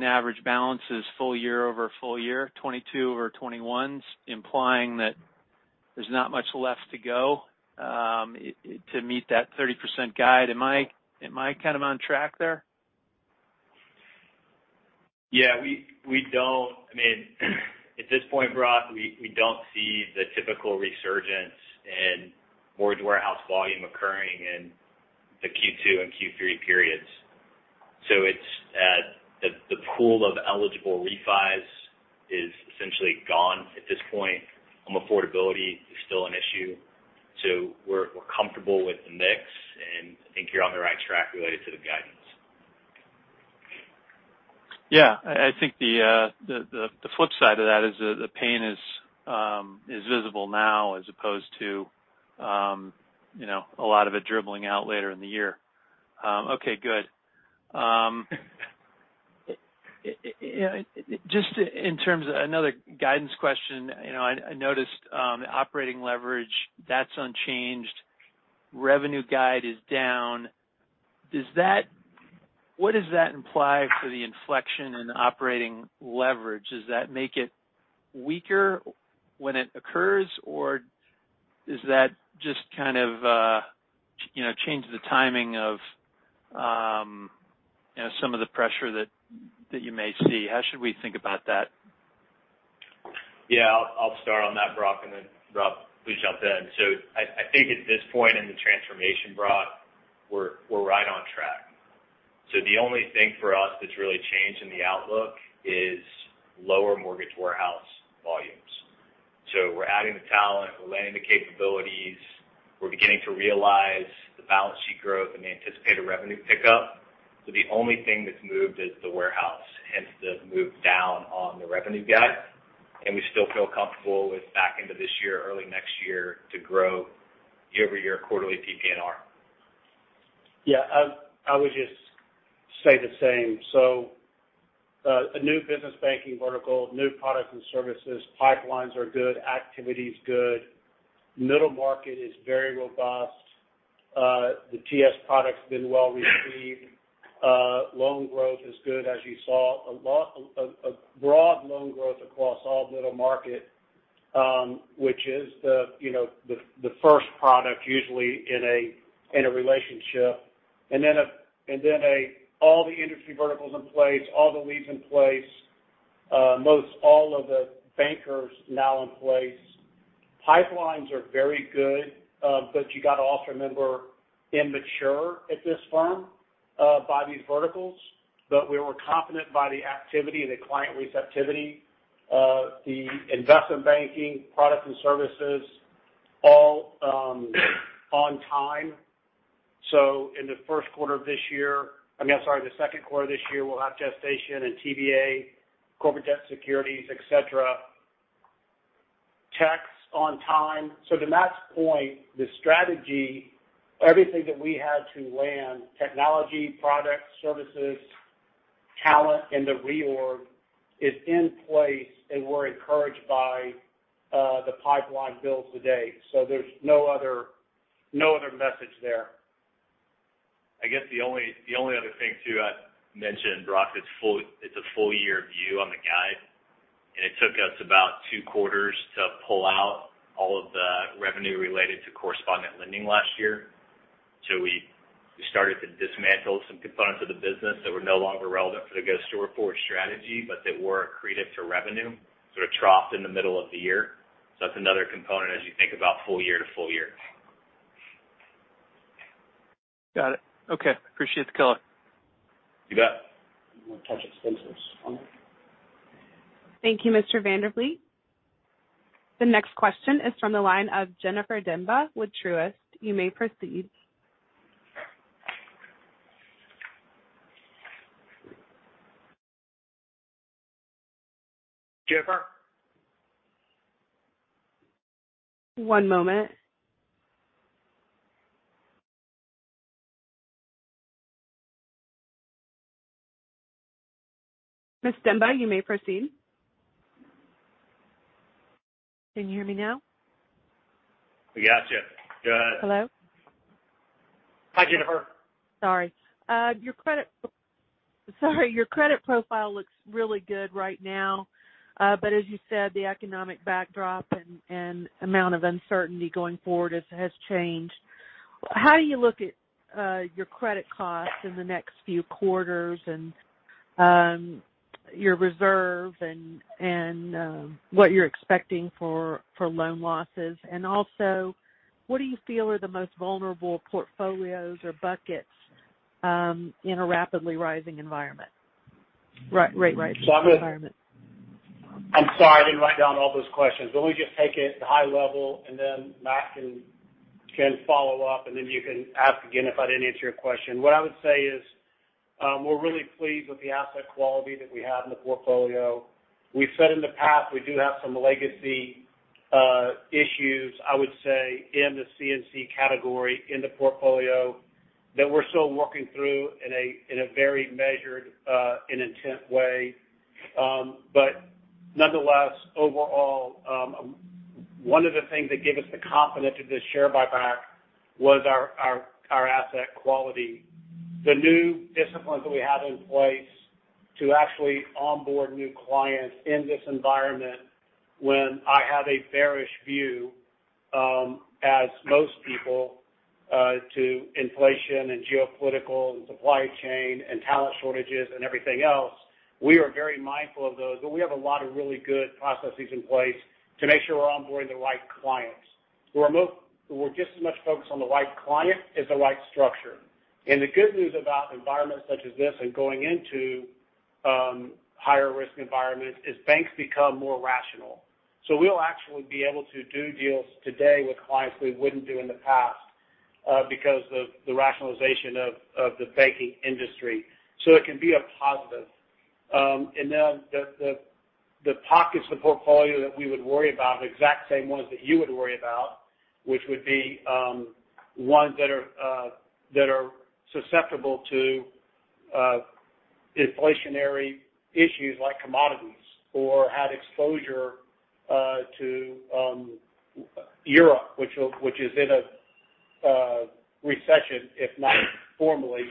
average balances full year over full year, 2022 over 2021s, implying that there's not much left to go to meet that 30% guide. Am I kind of on track there? Yeah. We don't. I mean, at this point, Brock, we don't see the typical resurgence in mortgage warehouse volume occurring in the Q2 and Q3 periods. It's the pool of eligible refis is essentially gone at this point. Affordability is still an issue. We're comfortable with the mix, and I think you're on the right track related to the guidance. Yeah. I think the flip side of that is the pain is visible now as opposed to, you know, a lot of it dribbling out later in the year. Okay, good. Just in terms of another guidance question. You know, I noticed operating leverage, that's unchanged. Revenue guide is down. What does that imply for the inflection in operating leverage? Does that make it weaker when it occurs, or is that just kind of, you know, change the timing of, you know, some of the pressure that you may see? How should we think about that? Yeah. I'll start on that, Brock, and then Rob, please jump in. I think at this point in the transformation, Brock, we're right on track. The only thing for us that's really changed in the outlook is lower mortgage warehouse volumes. We're adding the talent, we're layering the capabilities. We're beginning to realize the balance sheet growth and the anticipated revenue pickup. The only thing that's moved is the warehouse, hence the move down on the revenue guide. We still feel comfortable with back into this year or early next year to grow year over year quarterly PPNR. Yeah, I would just say the same. A new business banking vertical, new products and services, pipelines are good, activity is good. Middle market is very robust. The TS product's been well received. Loan growth is good, as you saw. A broad loan growth across all middle market, which is, you know, the first product usually in a relationship. All the industry verticals in place, all the leads in place. Most all of the bankers now in place. Pipelines are very good, but you got to also remember, immature at this firm by these verticals. We were confident by the activity and the client receptivity. The investment banking products and services all on time. I mean, I'm sorry, the second quarter of this year, we'll have Gestation and TBA, corporate debt securities, et cetera. Tech's on time. To Matt's point, the strategy, everything that we had to land, technology, products, services, talent, and the reorg is in place, and we're encouraged by the pipeline build today. There's no other message there. I guess the only other thing too I'd mention, Brock. It's a full year view on the guide, and it took us about two quarters to pull out all of the revenue related to correspondent lending last year. We started to dismantle some components of the business that were no longer relevant for the go-forward strategy, but that were accretive to revenue, sort of troughed in the middle of the year. That's another component as you think about full year to full year. Got it. Okay. Appreciate the color. You bet. You want to touch expenses on that? Thank you, Mr. Vandervliet. The next question is from the line of Jennifer Demba with Truist. You may proceed. Jennifer. One moment. Ms. Demba, you may proceed. Can you hear me now? We got you. Go ahead. Hello. Hi, Jennifer. Sorry, your credit profile looks really good right now. As you said, the economic backdrop and amount of uncertainty going forward has changed. How do you look at your credit costs in the next few quarters and your reserve and what you're expecting for loan losses? What do you feel are the most vulnerable portfolios or buckets in a rapidly rising rate environment? I'm sorry, I didn't write down all those questions. Let me just take it at a high level and then Matt can follow up, and then you can ask again if I didn't answer your question. What I would say is, we're really pleased with the asset quality that we have in the portfolio. We've said in the past, we do have some legacy issues, I would say, in the C&I category in the portfolio that we're still working through in a very measured and intentional way. But nonetheless, overall, one of the things that gave us the confidence to this share buyback was our asset quality. The new disciplines that we have in place to actually onboard new clients in this environment when I have a bearish view, as most people, to inflation and geopolitical and supply chain and talent shortages and everything else, we are very mindful of those. We have a lot of really good processes in place to make sure we're onboarding the right clients. We're just as much focused on the right client as the right structure. The good news about environments such as this and going into higher risk environments is banks become more rational. We'll actually be able to do deals today with clients we wouldn't do in the past, because of the rationalization of the banking industry. It can be a positive. The pockets of the portfolio that we would worry about are the exact same ones that you would worry about, which would be ones that are susceptible to inflationary issues like commodities or have exposure to Europe, which is in a recession, if not formally,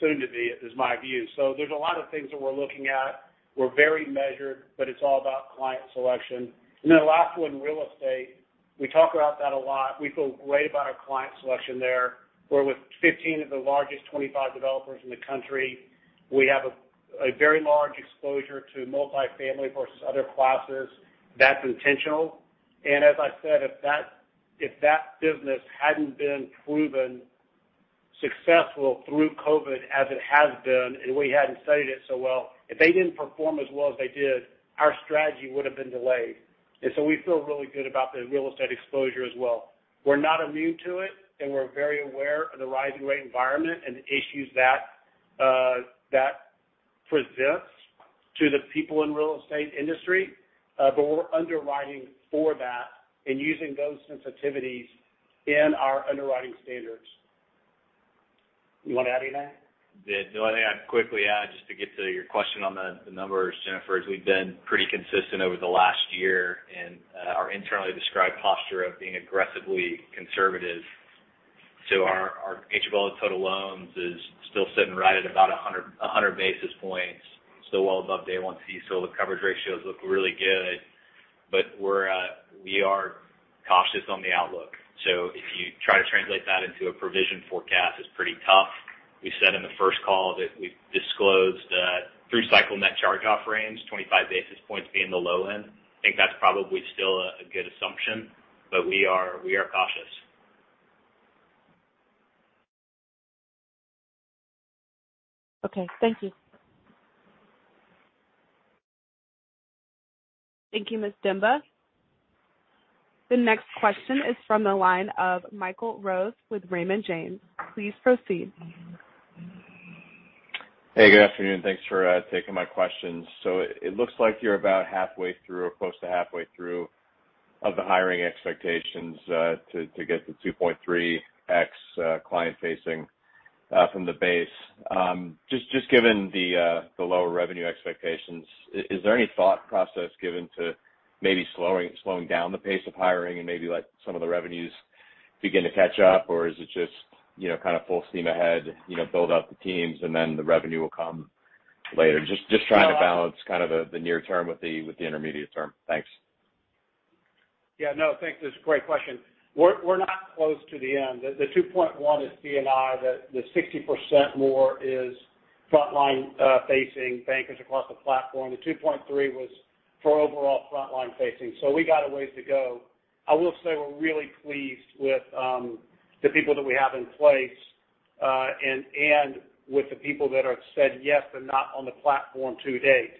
soon to be, is my view. There's a lot of things that we're looking at. We're very measured, but it's all about client selection. The last one, real estate. We talk about that a lot. We feel great about our client selection there. We're with 15 of the largest 25 developers in the country. We have a very large exposure to multifamily versus other classes. That's intentional. As I said, if that business hadn't been proven successful through COVID as it has been, and we hadn't studied it so well, if they didn't perform as well as they did, our strategy would have been delayed. We feel really good about the real estate exposure as well. We're not immune to it, and we're very aware of the rising rate environment and the issues that presents to the people in real estate industry, but we're underwriting for that and using those sensitivities in our underwriting standards. You want to add anything? Yeah. No, I think I'd quickly add, just to get to your question on the numbers, Jennifer, is we've been pretty consistent over the last year in our internally described posture of being aggressively conservative. Our ACL and total loans is still sitting right at about 100 basis points, so well above day one CECL. The coverage ratios look really good, but we are cautious on the outlook. If you try to translate that into a provision forecast, it's pretty tough. We said in the first call that we've disclosed through cycle net charge-off range, 25 basis points being the low end. I think that's probably still a good assumption, but we are cautious. Okay. Thank you. Thank you, Ms. Demba. The next question is from the line of Michael Rose with Raymond James. Please proceed. Hey, good afternoon. Thanks for taking my questions. It looks like you're about halfway through or close to halfway through of the hiring expectations to get the 2.3x client facing from the base. Just given the lower revenue expectations, is there any thought process given to maybe slowing down the pace of hiring and maybe let some of the revenues begin to catch up? Or is it just, you know, kind of full steam ahead, you know, build out the teams and then the revenue will come later? Just trying to balance kind of the near term with the intermediate term. Thanks. Yeah. No. Thanks. This is a great question. We're not close to the end. The 2.1x is C&I. The 60% more is frontline facing bankers across the platform. The 2.3x was for overall frontline facing. We got a ways to go. I will say we're really pleased with the people that we have in place, and with the people that have said yes, but not on the platform to date.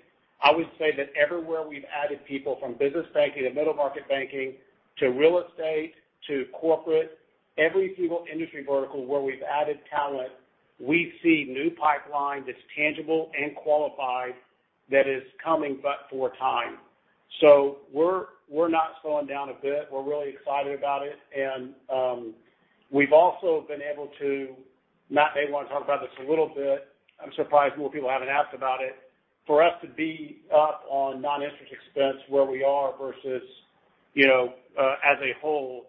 I would say that everywhere we've added people from business banking to middle market banking to real estate to corporate, every single industry vertical where we've added talent, we see new pipeline that's tangible and qualified that is coming but for time. We're not slowing down a bit. We're really excited about it. We've also been able to. Matt may want to talk about this a little bit. I'm surprised more people haven't asked about it. For us to be up on noninterest expense where we are versus, you know, as a whole,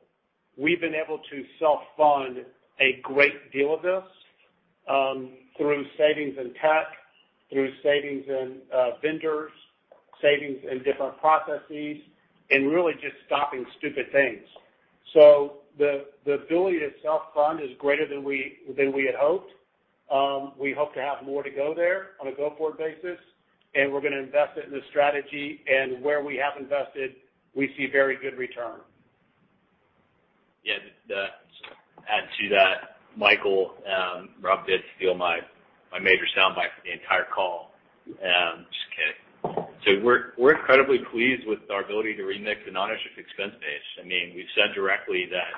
we've been able to self-fund a great deal of this through savings in tech, through savings in vendors, savings in different processes, and really just stopping stupid things. The ability to self-fund is greater than we had hoped. We hope to have more to go there on a go-forward basis, and we're gonna invest it in the strategy. Where we have invested, we see very good return. Yeah. Just to add to that, Michael robbed it. Steal my major soundbite for the entire call. Just kidding. We're incredibly pleased with our ability to remix the non-interest expense base. I mean, we've said directly that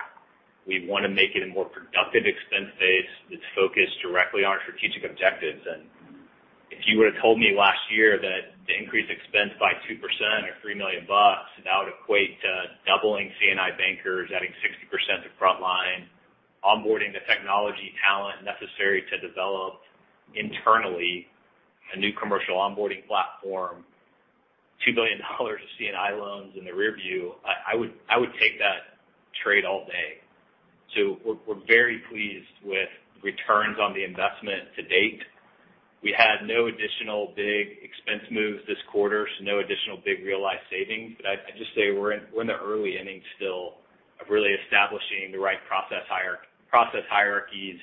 we want to make it a more productive expense base that's focused directly on our strategic objectives. If you would've told me last year that to increase expense by 2% or $3 million, that would equate to doubling C&I bankers, adding 60% to frontline, onboarding the technology talent necessary to develop internally a new commercial onboarding platform, $2 billion of C&I loans in the rear view, I would take that trade all day. We're very pleased with returns on the investment to date. We had no additional big expense moves this quarter, so no additional big realized savings. I'd just say we're in the early innings still of really establishing the right process hierarchies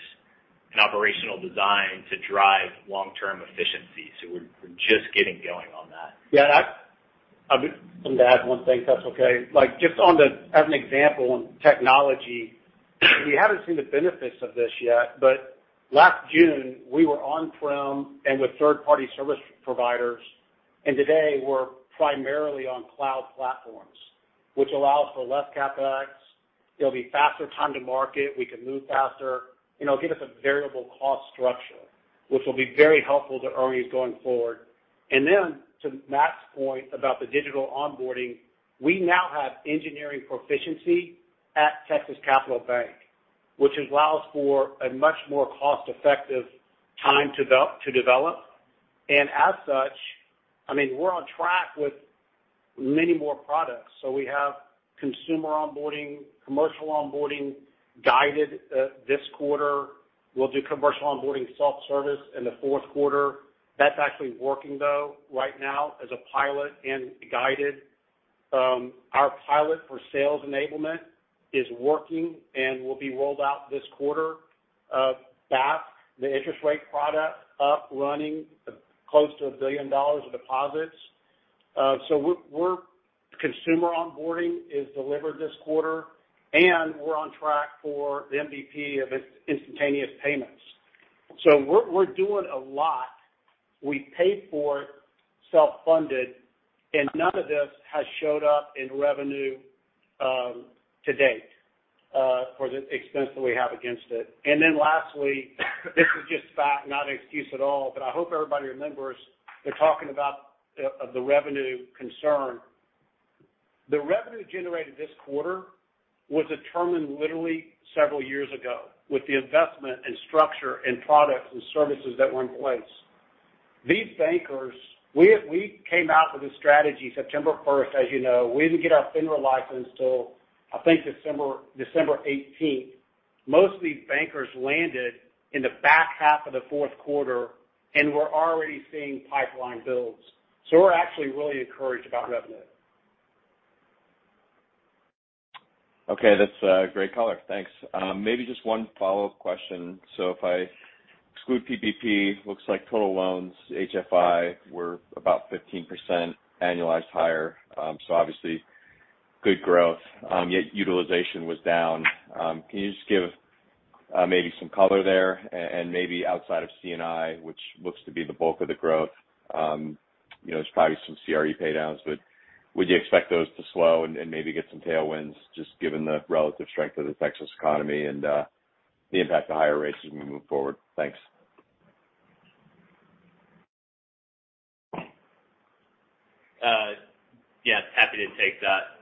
and operational design to drive long-term efficiency. We're just getting going on that. Yeah, I'm going to add one thing, if that's okay. Like, just on the as an example on technology, we haven't seen the benefits of this yet, but last June, we were on-prem and with third-party service providers. Today, we're primarily on cloud platforms, which allow us for less CapEx. There'll be faster time to market. We can move faster. You know, give us a variable cost structure, which will be very helpful to earnings going forward. Then to Matt's point about the digital onboarding, we now have engineering proficiency at Texas Capital Bank, which allows for a much more cost-effective time to develop. As such, I mean, we're on track with many more products. We have consumer onboarding, commercial onboarding guided, this quarter. We'll do commercial onboarding self-service in the fourth quarter. That's actually working though right now as a pilot and guided. Our pilot for sales enablement is working and will be rolled out this quarter. Bask, the interest rate product up and running close to $1 billion of deposits. So we're consumer onboarding is delivered this quarter, and we're on track for the MVP of its instantaneous payments. So we're doing a lot. We paid for it self-funded, and none of this has showed up in revenue to date for the expense that we have against it. Then lastly, this is just fact, not an excuse at all, but I hope everybody remembers that we were talking about the revenue concern. The revenue generated this quarter was determined literally several years ago with the investment and structure and products and services that were in place. These bankers. We came out with a strategy September first, as you know. We didn't get our FINRA license till, I think, December eighteenth. Most of these bankers landed in the back half of the fourth quarter, and we're already seeing pipeline builds. We're actually really encouraged about revenue. Okay. That's great color. Thanks. Maybe just one follow-up question. If I exclude PPP, looks like total loans HFI were about 15% annualized higher, so obviously good growth. Yet utilization was down. Can you just give maybe some color there? Maybe outside of C&I, which looks to be the bulk of the growth, you know, there's probably some CRE paydowns, but would you expect those to slow and maybe get some tailwinds, just given the relative strength of the Texas economy and the impact of higher rates as we move forward? Thanks. Yes, happy to take that.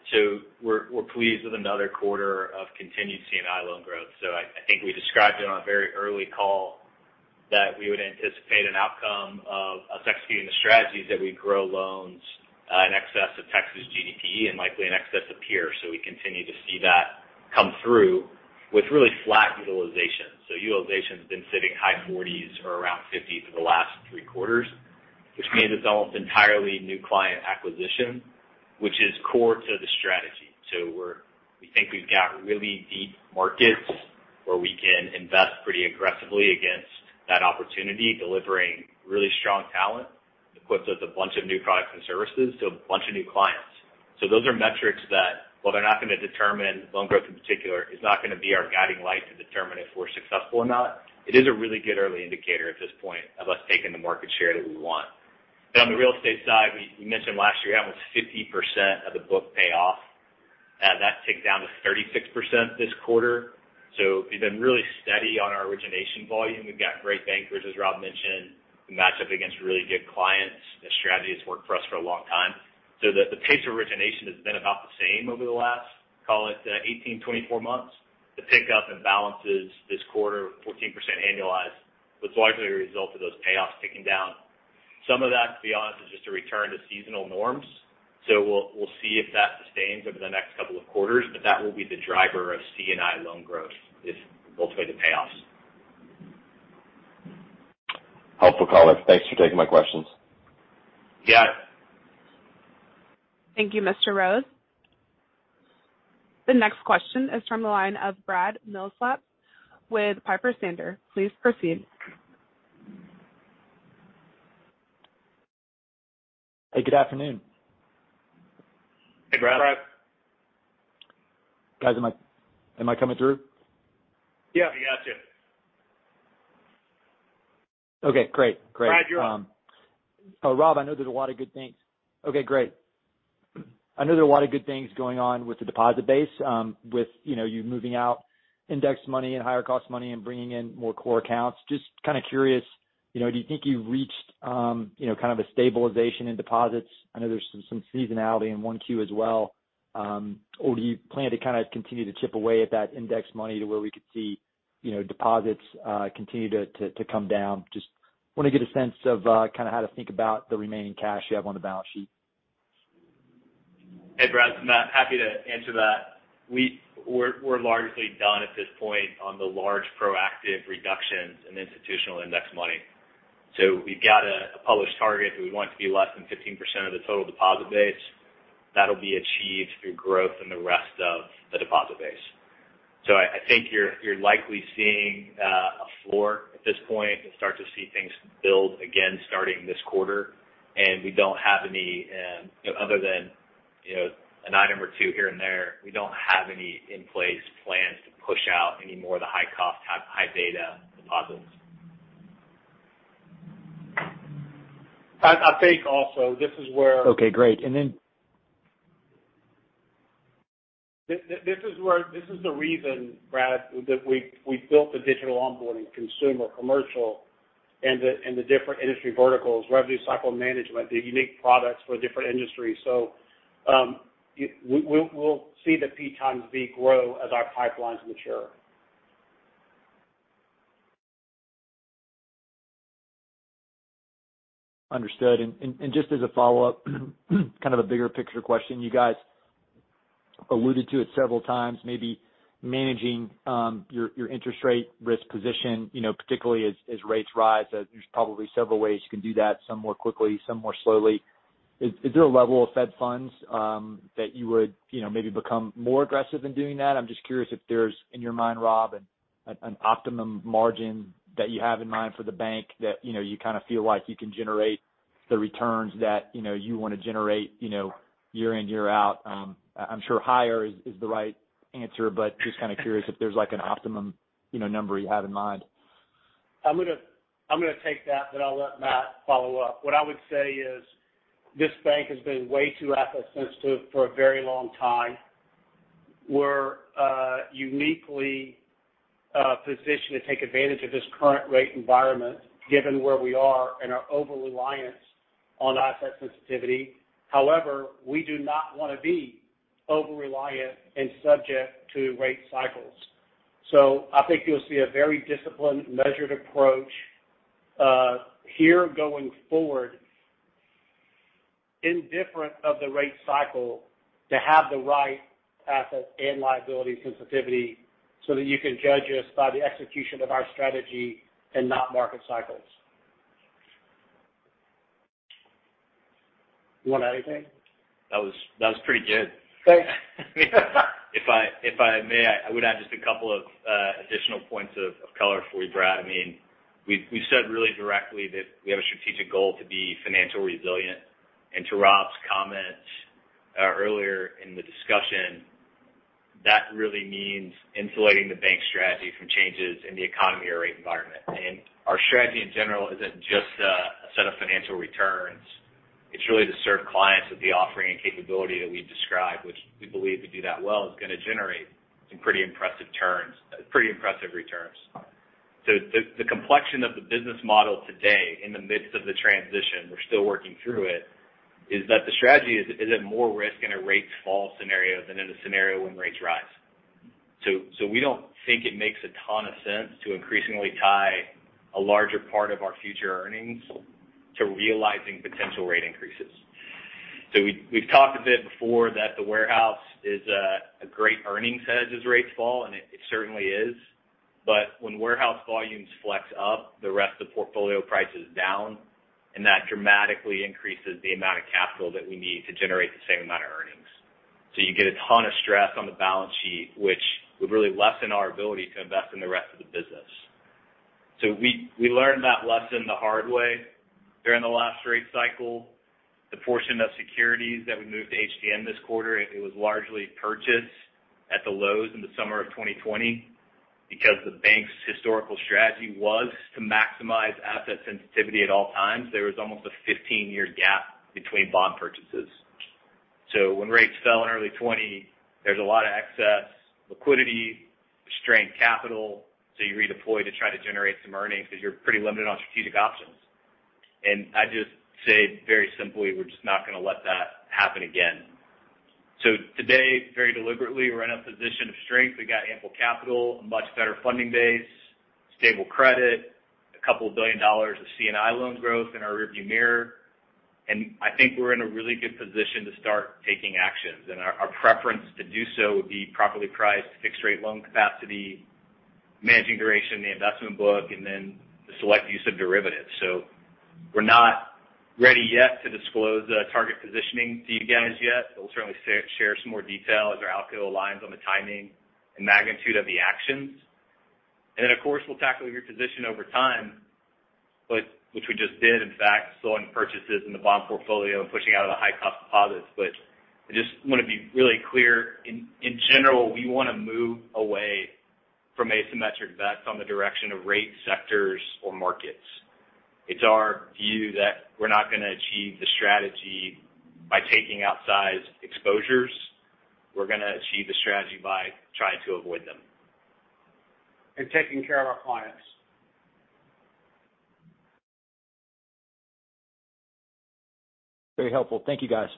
We're pleased with another quarter of continued C&I loan growth. I think we described it on a very early call that we would anticipate an outcome of us executing the strategies that we'd grow loans in excess of Texas GDP and likely in excess of peers. We continue to see that come through with really flat utilization. Utilization's been sitting high 40s% or around 50s% for the last three quarters, which means it's almost entirely new client acquisition, which is core to the strategy. We think we've got really deep markets where we can invest pretty aggressively against that opportunity, delivering really strong talent, equips us a bunch of new products and services to a bunch of new clients. Those are metrics that while they're not gonna determine loan growth in particular is not gonna be our guiding light to determine if we're successful or not, it is a really good early indicator at this point of us taking the market share that we want. On the real estate side, we mentioned last year we had almost 50% of the book pay off. That ticked down to 36% this quarter. We've been really steady on our origination volume. We've got great bankers, as Rob mentioned, who match up against really good clients. The strategy has worked for us for a long time. The pace of origination has been about the same over the last, call it, 18-24 months. The pickup in balances this quarter, 14% annualized, was largely a result of those payoffs ticking down. Some of that, to be honest, is just a return to seasonal norms. We'll see if that sustains over the next couple of quarters, but that will be the driver of C&I loan growth, is ultimately the payoffs. Helpful color. Thanks for taking my questions. Yeah. Thank you, Mr. Rose. The next question is from the line of Brad Millsaps with Piper Sandler. Please proceed. Hey, good afternoon. Hey, Brad. Brad. Guys, am I coming through? Yeah. We got you. Okay, great. Great. Brad, you're on. Rob, I know there are a lot of good things going on with the deposit base, with, you know, you moving out index money and higher cost money and bringing in more core accounts. Just kind of curious, you know, do you think you've reached, you know, kind of a stabilization in deposits? I know there's some seasonality in 1Q as well. Or do you plan to kind of continue to chip away at that index money to where we could see, you know, deposits continue to come down? Just want to get a sense of, kind of how to think about the remaining cash you have on the balance sheet. Hey, Brad. Matt. Happy to answer that. We're largely done at this point on the large proactive reductions in institutional index money. We've got a published target that we want it to be less than 15% of the total deposit base. That'll be achieved through growth in the rest of the deposit base. I think you're likely seeing a floor at this point and start to see things build again starting this quarter. We don't have any, you know, other than, you know, an item or two here and there, we don't have any in-place plans to push out any more of the high cost, high beta deposits. I think also this is where. Okay, great. This is the reason, Brad, that we built the digital onboarding consumer commercial and the different industry verticals, revenue cycle management, the unique products for different industries. We'll see the P times V grow as our pipelines mature. Understood. Just as a follow-up, kind of a bigger picture question. You guys alluded to it several times, maybe managing your interest rate risk position, you know, particularly as rates rise. There's probably several ways you can do that, some more quickly, some more slowly. Is there a level of Fed funds that you would, you know, maybe become more aggressive in doing that? I'm just curious if there's, in your mind, Rob, an optimum margin that you have in mind for the bank that, you know, you kind of feel like you can generate the returns that, you know, you want to generate, you know, year in, year out. I'm sure higher is the right answer, but just kind of curious if there's like an optimum, you know, number you have in mind. I'm gonna take that, but I'll let Matt follow up. What I would say is this bank has been way too asset sensitive for a very long time. We're uniquely positioned to take advantage of this current rate environment given where we are and our overreliance on asset sensitivity. However, we do not wanna be overreliant and subject to rate cycles. I think you'll see a very disciplined, measured approach here going forward, indifferent of the rate cycle to have the right asset and liability sensitivity so that you can judge us by the execution of our strategy and not market cycles. You want to add anything? That was pretty good. Thanks. If I may, I would add just a couple of additional points of color for you, Brad. I mean, we said really directly that we have a strategic goal to be financial resilient. To Rob's comments earlier in the discussion, that really means insulating the bank strategy from changes in the economy or rate environment. Our strategy in general isn't just a set of financial returns. It's really to serve clients with the offering and capability that we've described, which we believe to do that well is gonna generate some pretty impressive returns. The complexion of the business model today in the midst of the transition, we're still working through it, is that the strategy is at more risk in a rates fall scenario than in a scenario when rates rise. We don't think it makes a ton of sense to increasingly tie a larger part of our future earnings to realizing potential rate increases. We've talked a bit before that the warehouse is a great earnings hedge as rates fall, and it certainly is. When warehouse volumes flex up, the rest of the portfolio prices down, and that dramatically increases the amount of capital that we need to generate the same amount of earnings. You get a ton of stress on the balance sheet, which would really lessen our ability to invest in the rest of the business. We learned that lesson the hard way during the last rate cycle. The portion of securities that we moved to HTM this quarter, it was largely purchased at the lows in the summer of 2020. Because the bank's historical strategy was to maximize asset sensitivity at all times, there was almost a 15-year gap between bond purchases. When rates fell in early 2020, there's a lot of excess liquidity, strained capital, so you redeploy to try to generate some earnings because you're pretty limited on strategic options. I'd just say very simply, we're just not gonna let that happen again. Today, very deliberately, we're in a position of strength. We've got ample capital, a much better funding base, stable credit, a couple billion dollars of C&I loans growth in our rearview mirror. I think we're in a really good position to start taking actions. Our preference to do so would be properly priced fixed-rate loan capacity, managing duration in the investment book, and then the select use of derivatives. We're not ready yet to disclose the target positioning to you guys yet. We'll certainly share some more detail as our outlook aligns on the timing and magnitude of the actions. Then, of course, we'll tackle your position over time, but which we just did, in fact, slowing purchases in the bond portfolio and pushing out of the high-cost deposits. I just wanna be really clear. In general, we wanna move away from asymmetric bets on the direction of rate sectors or markets. It's our view that we're not gonna achieve the strategy by taking outsized exposures. We're gonna achieve the strategy by trying to avoid them. Taking care of our clients. Very helpful. Thank you, guys.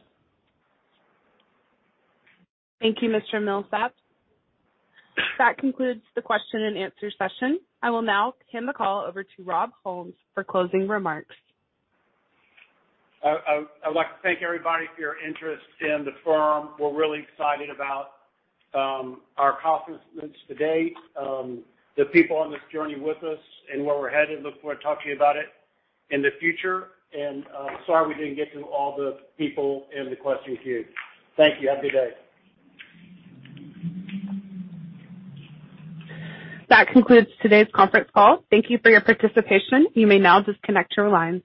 Thank you, Mr. Millsaps. That concludes the question and answer session. I will now hand the call over to Rob Holmes for closing remarks. I'd like to thank everybody for your interest in the firm. We're really excited about our accomplishments to date, the people on this journey with us and where we're headed. I look forward to talking to you about it in the future. Sorry we didn't get to all the people in the question queue. Thank you. Have a good day. That concludes today's conference call. Thank you for your participation. You may now disconnect your lines.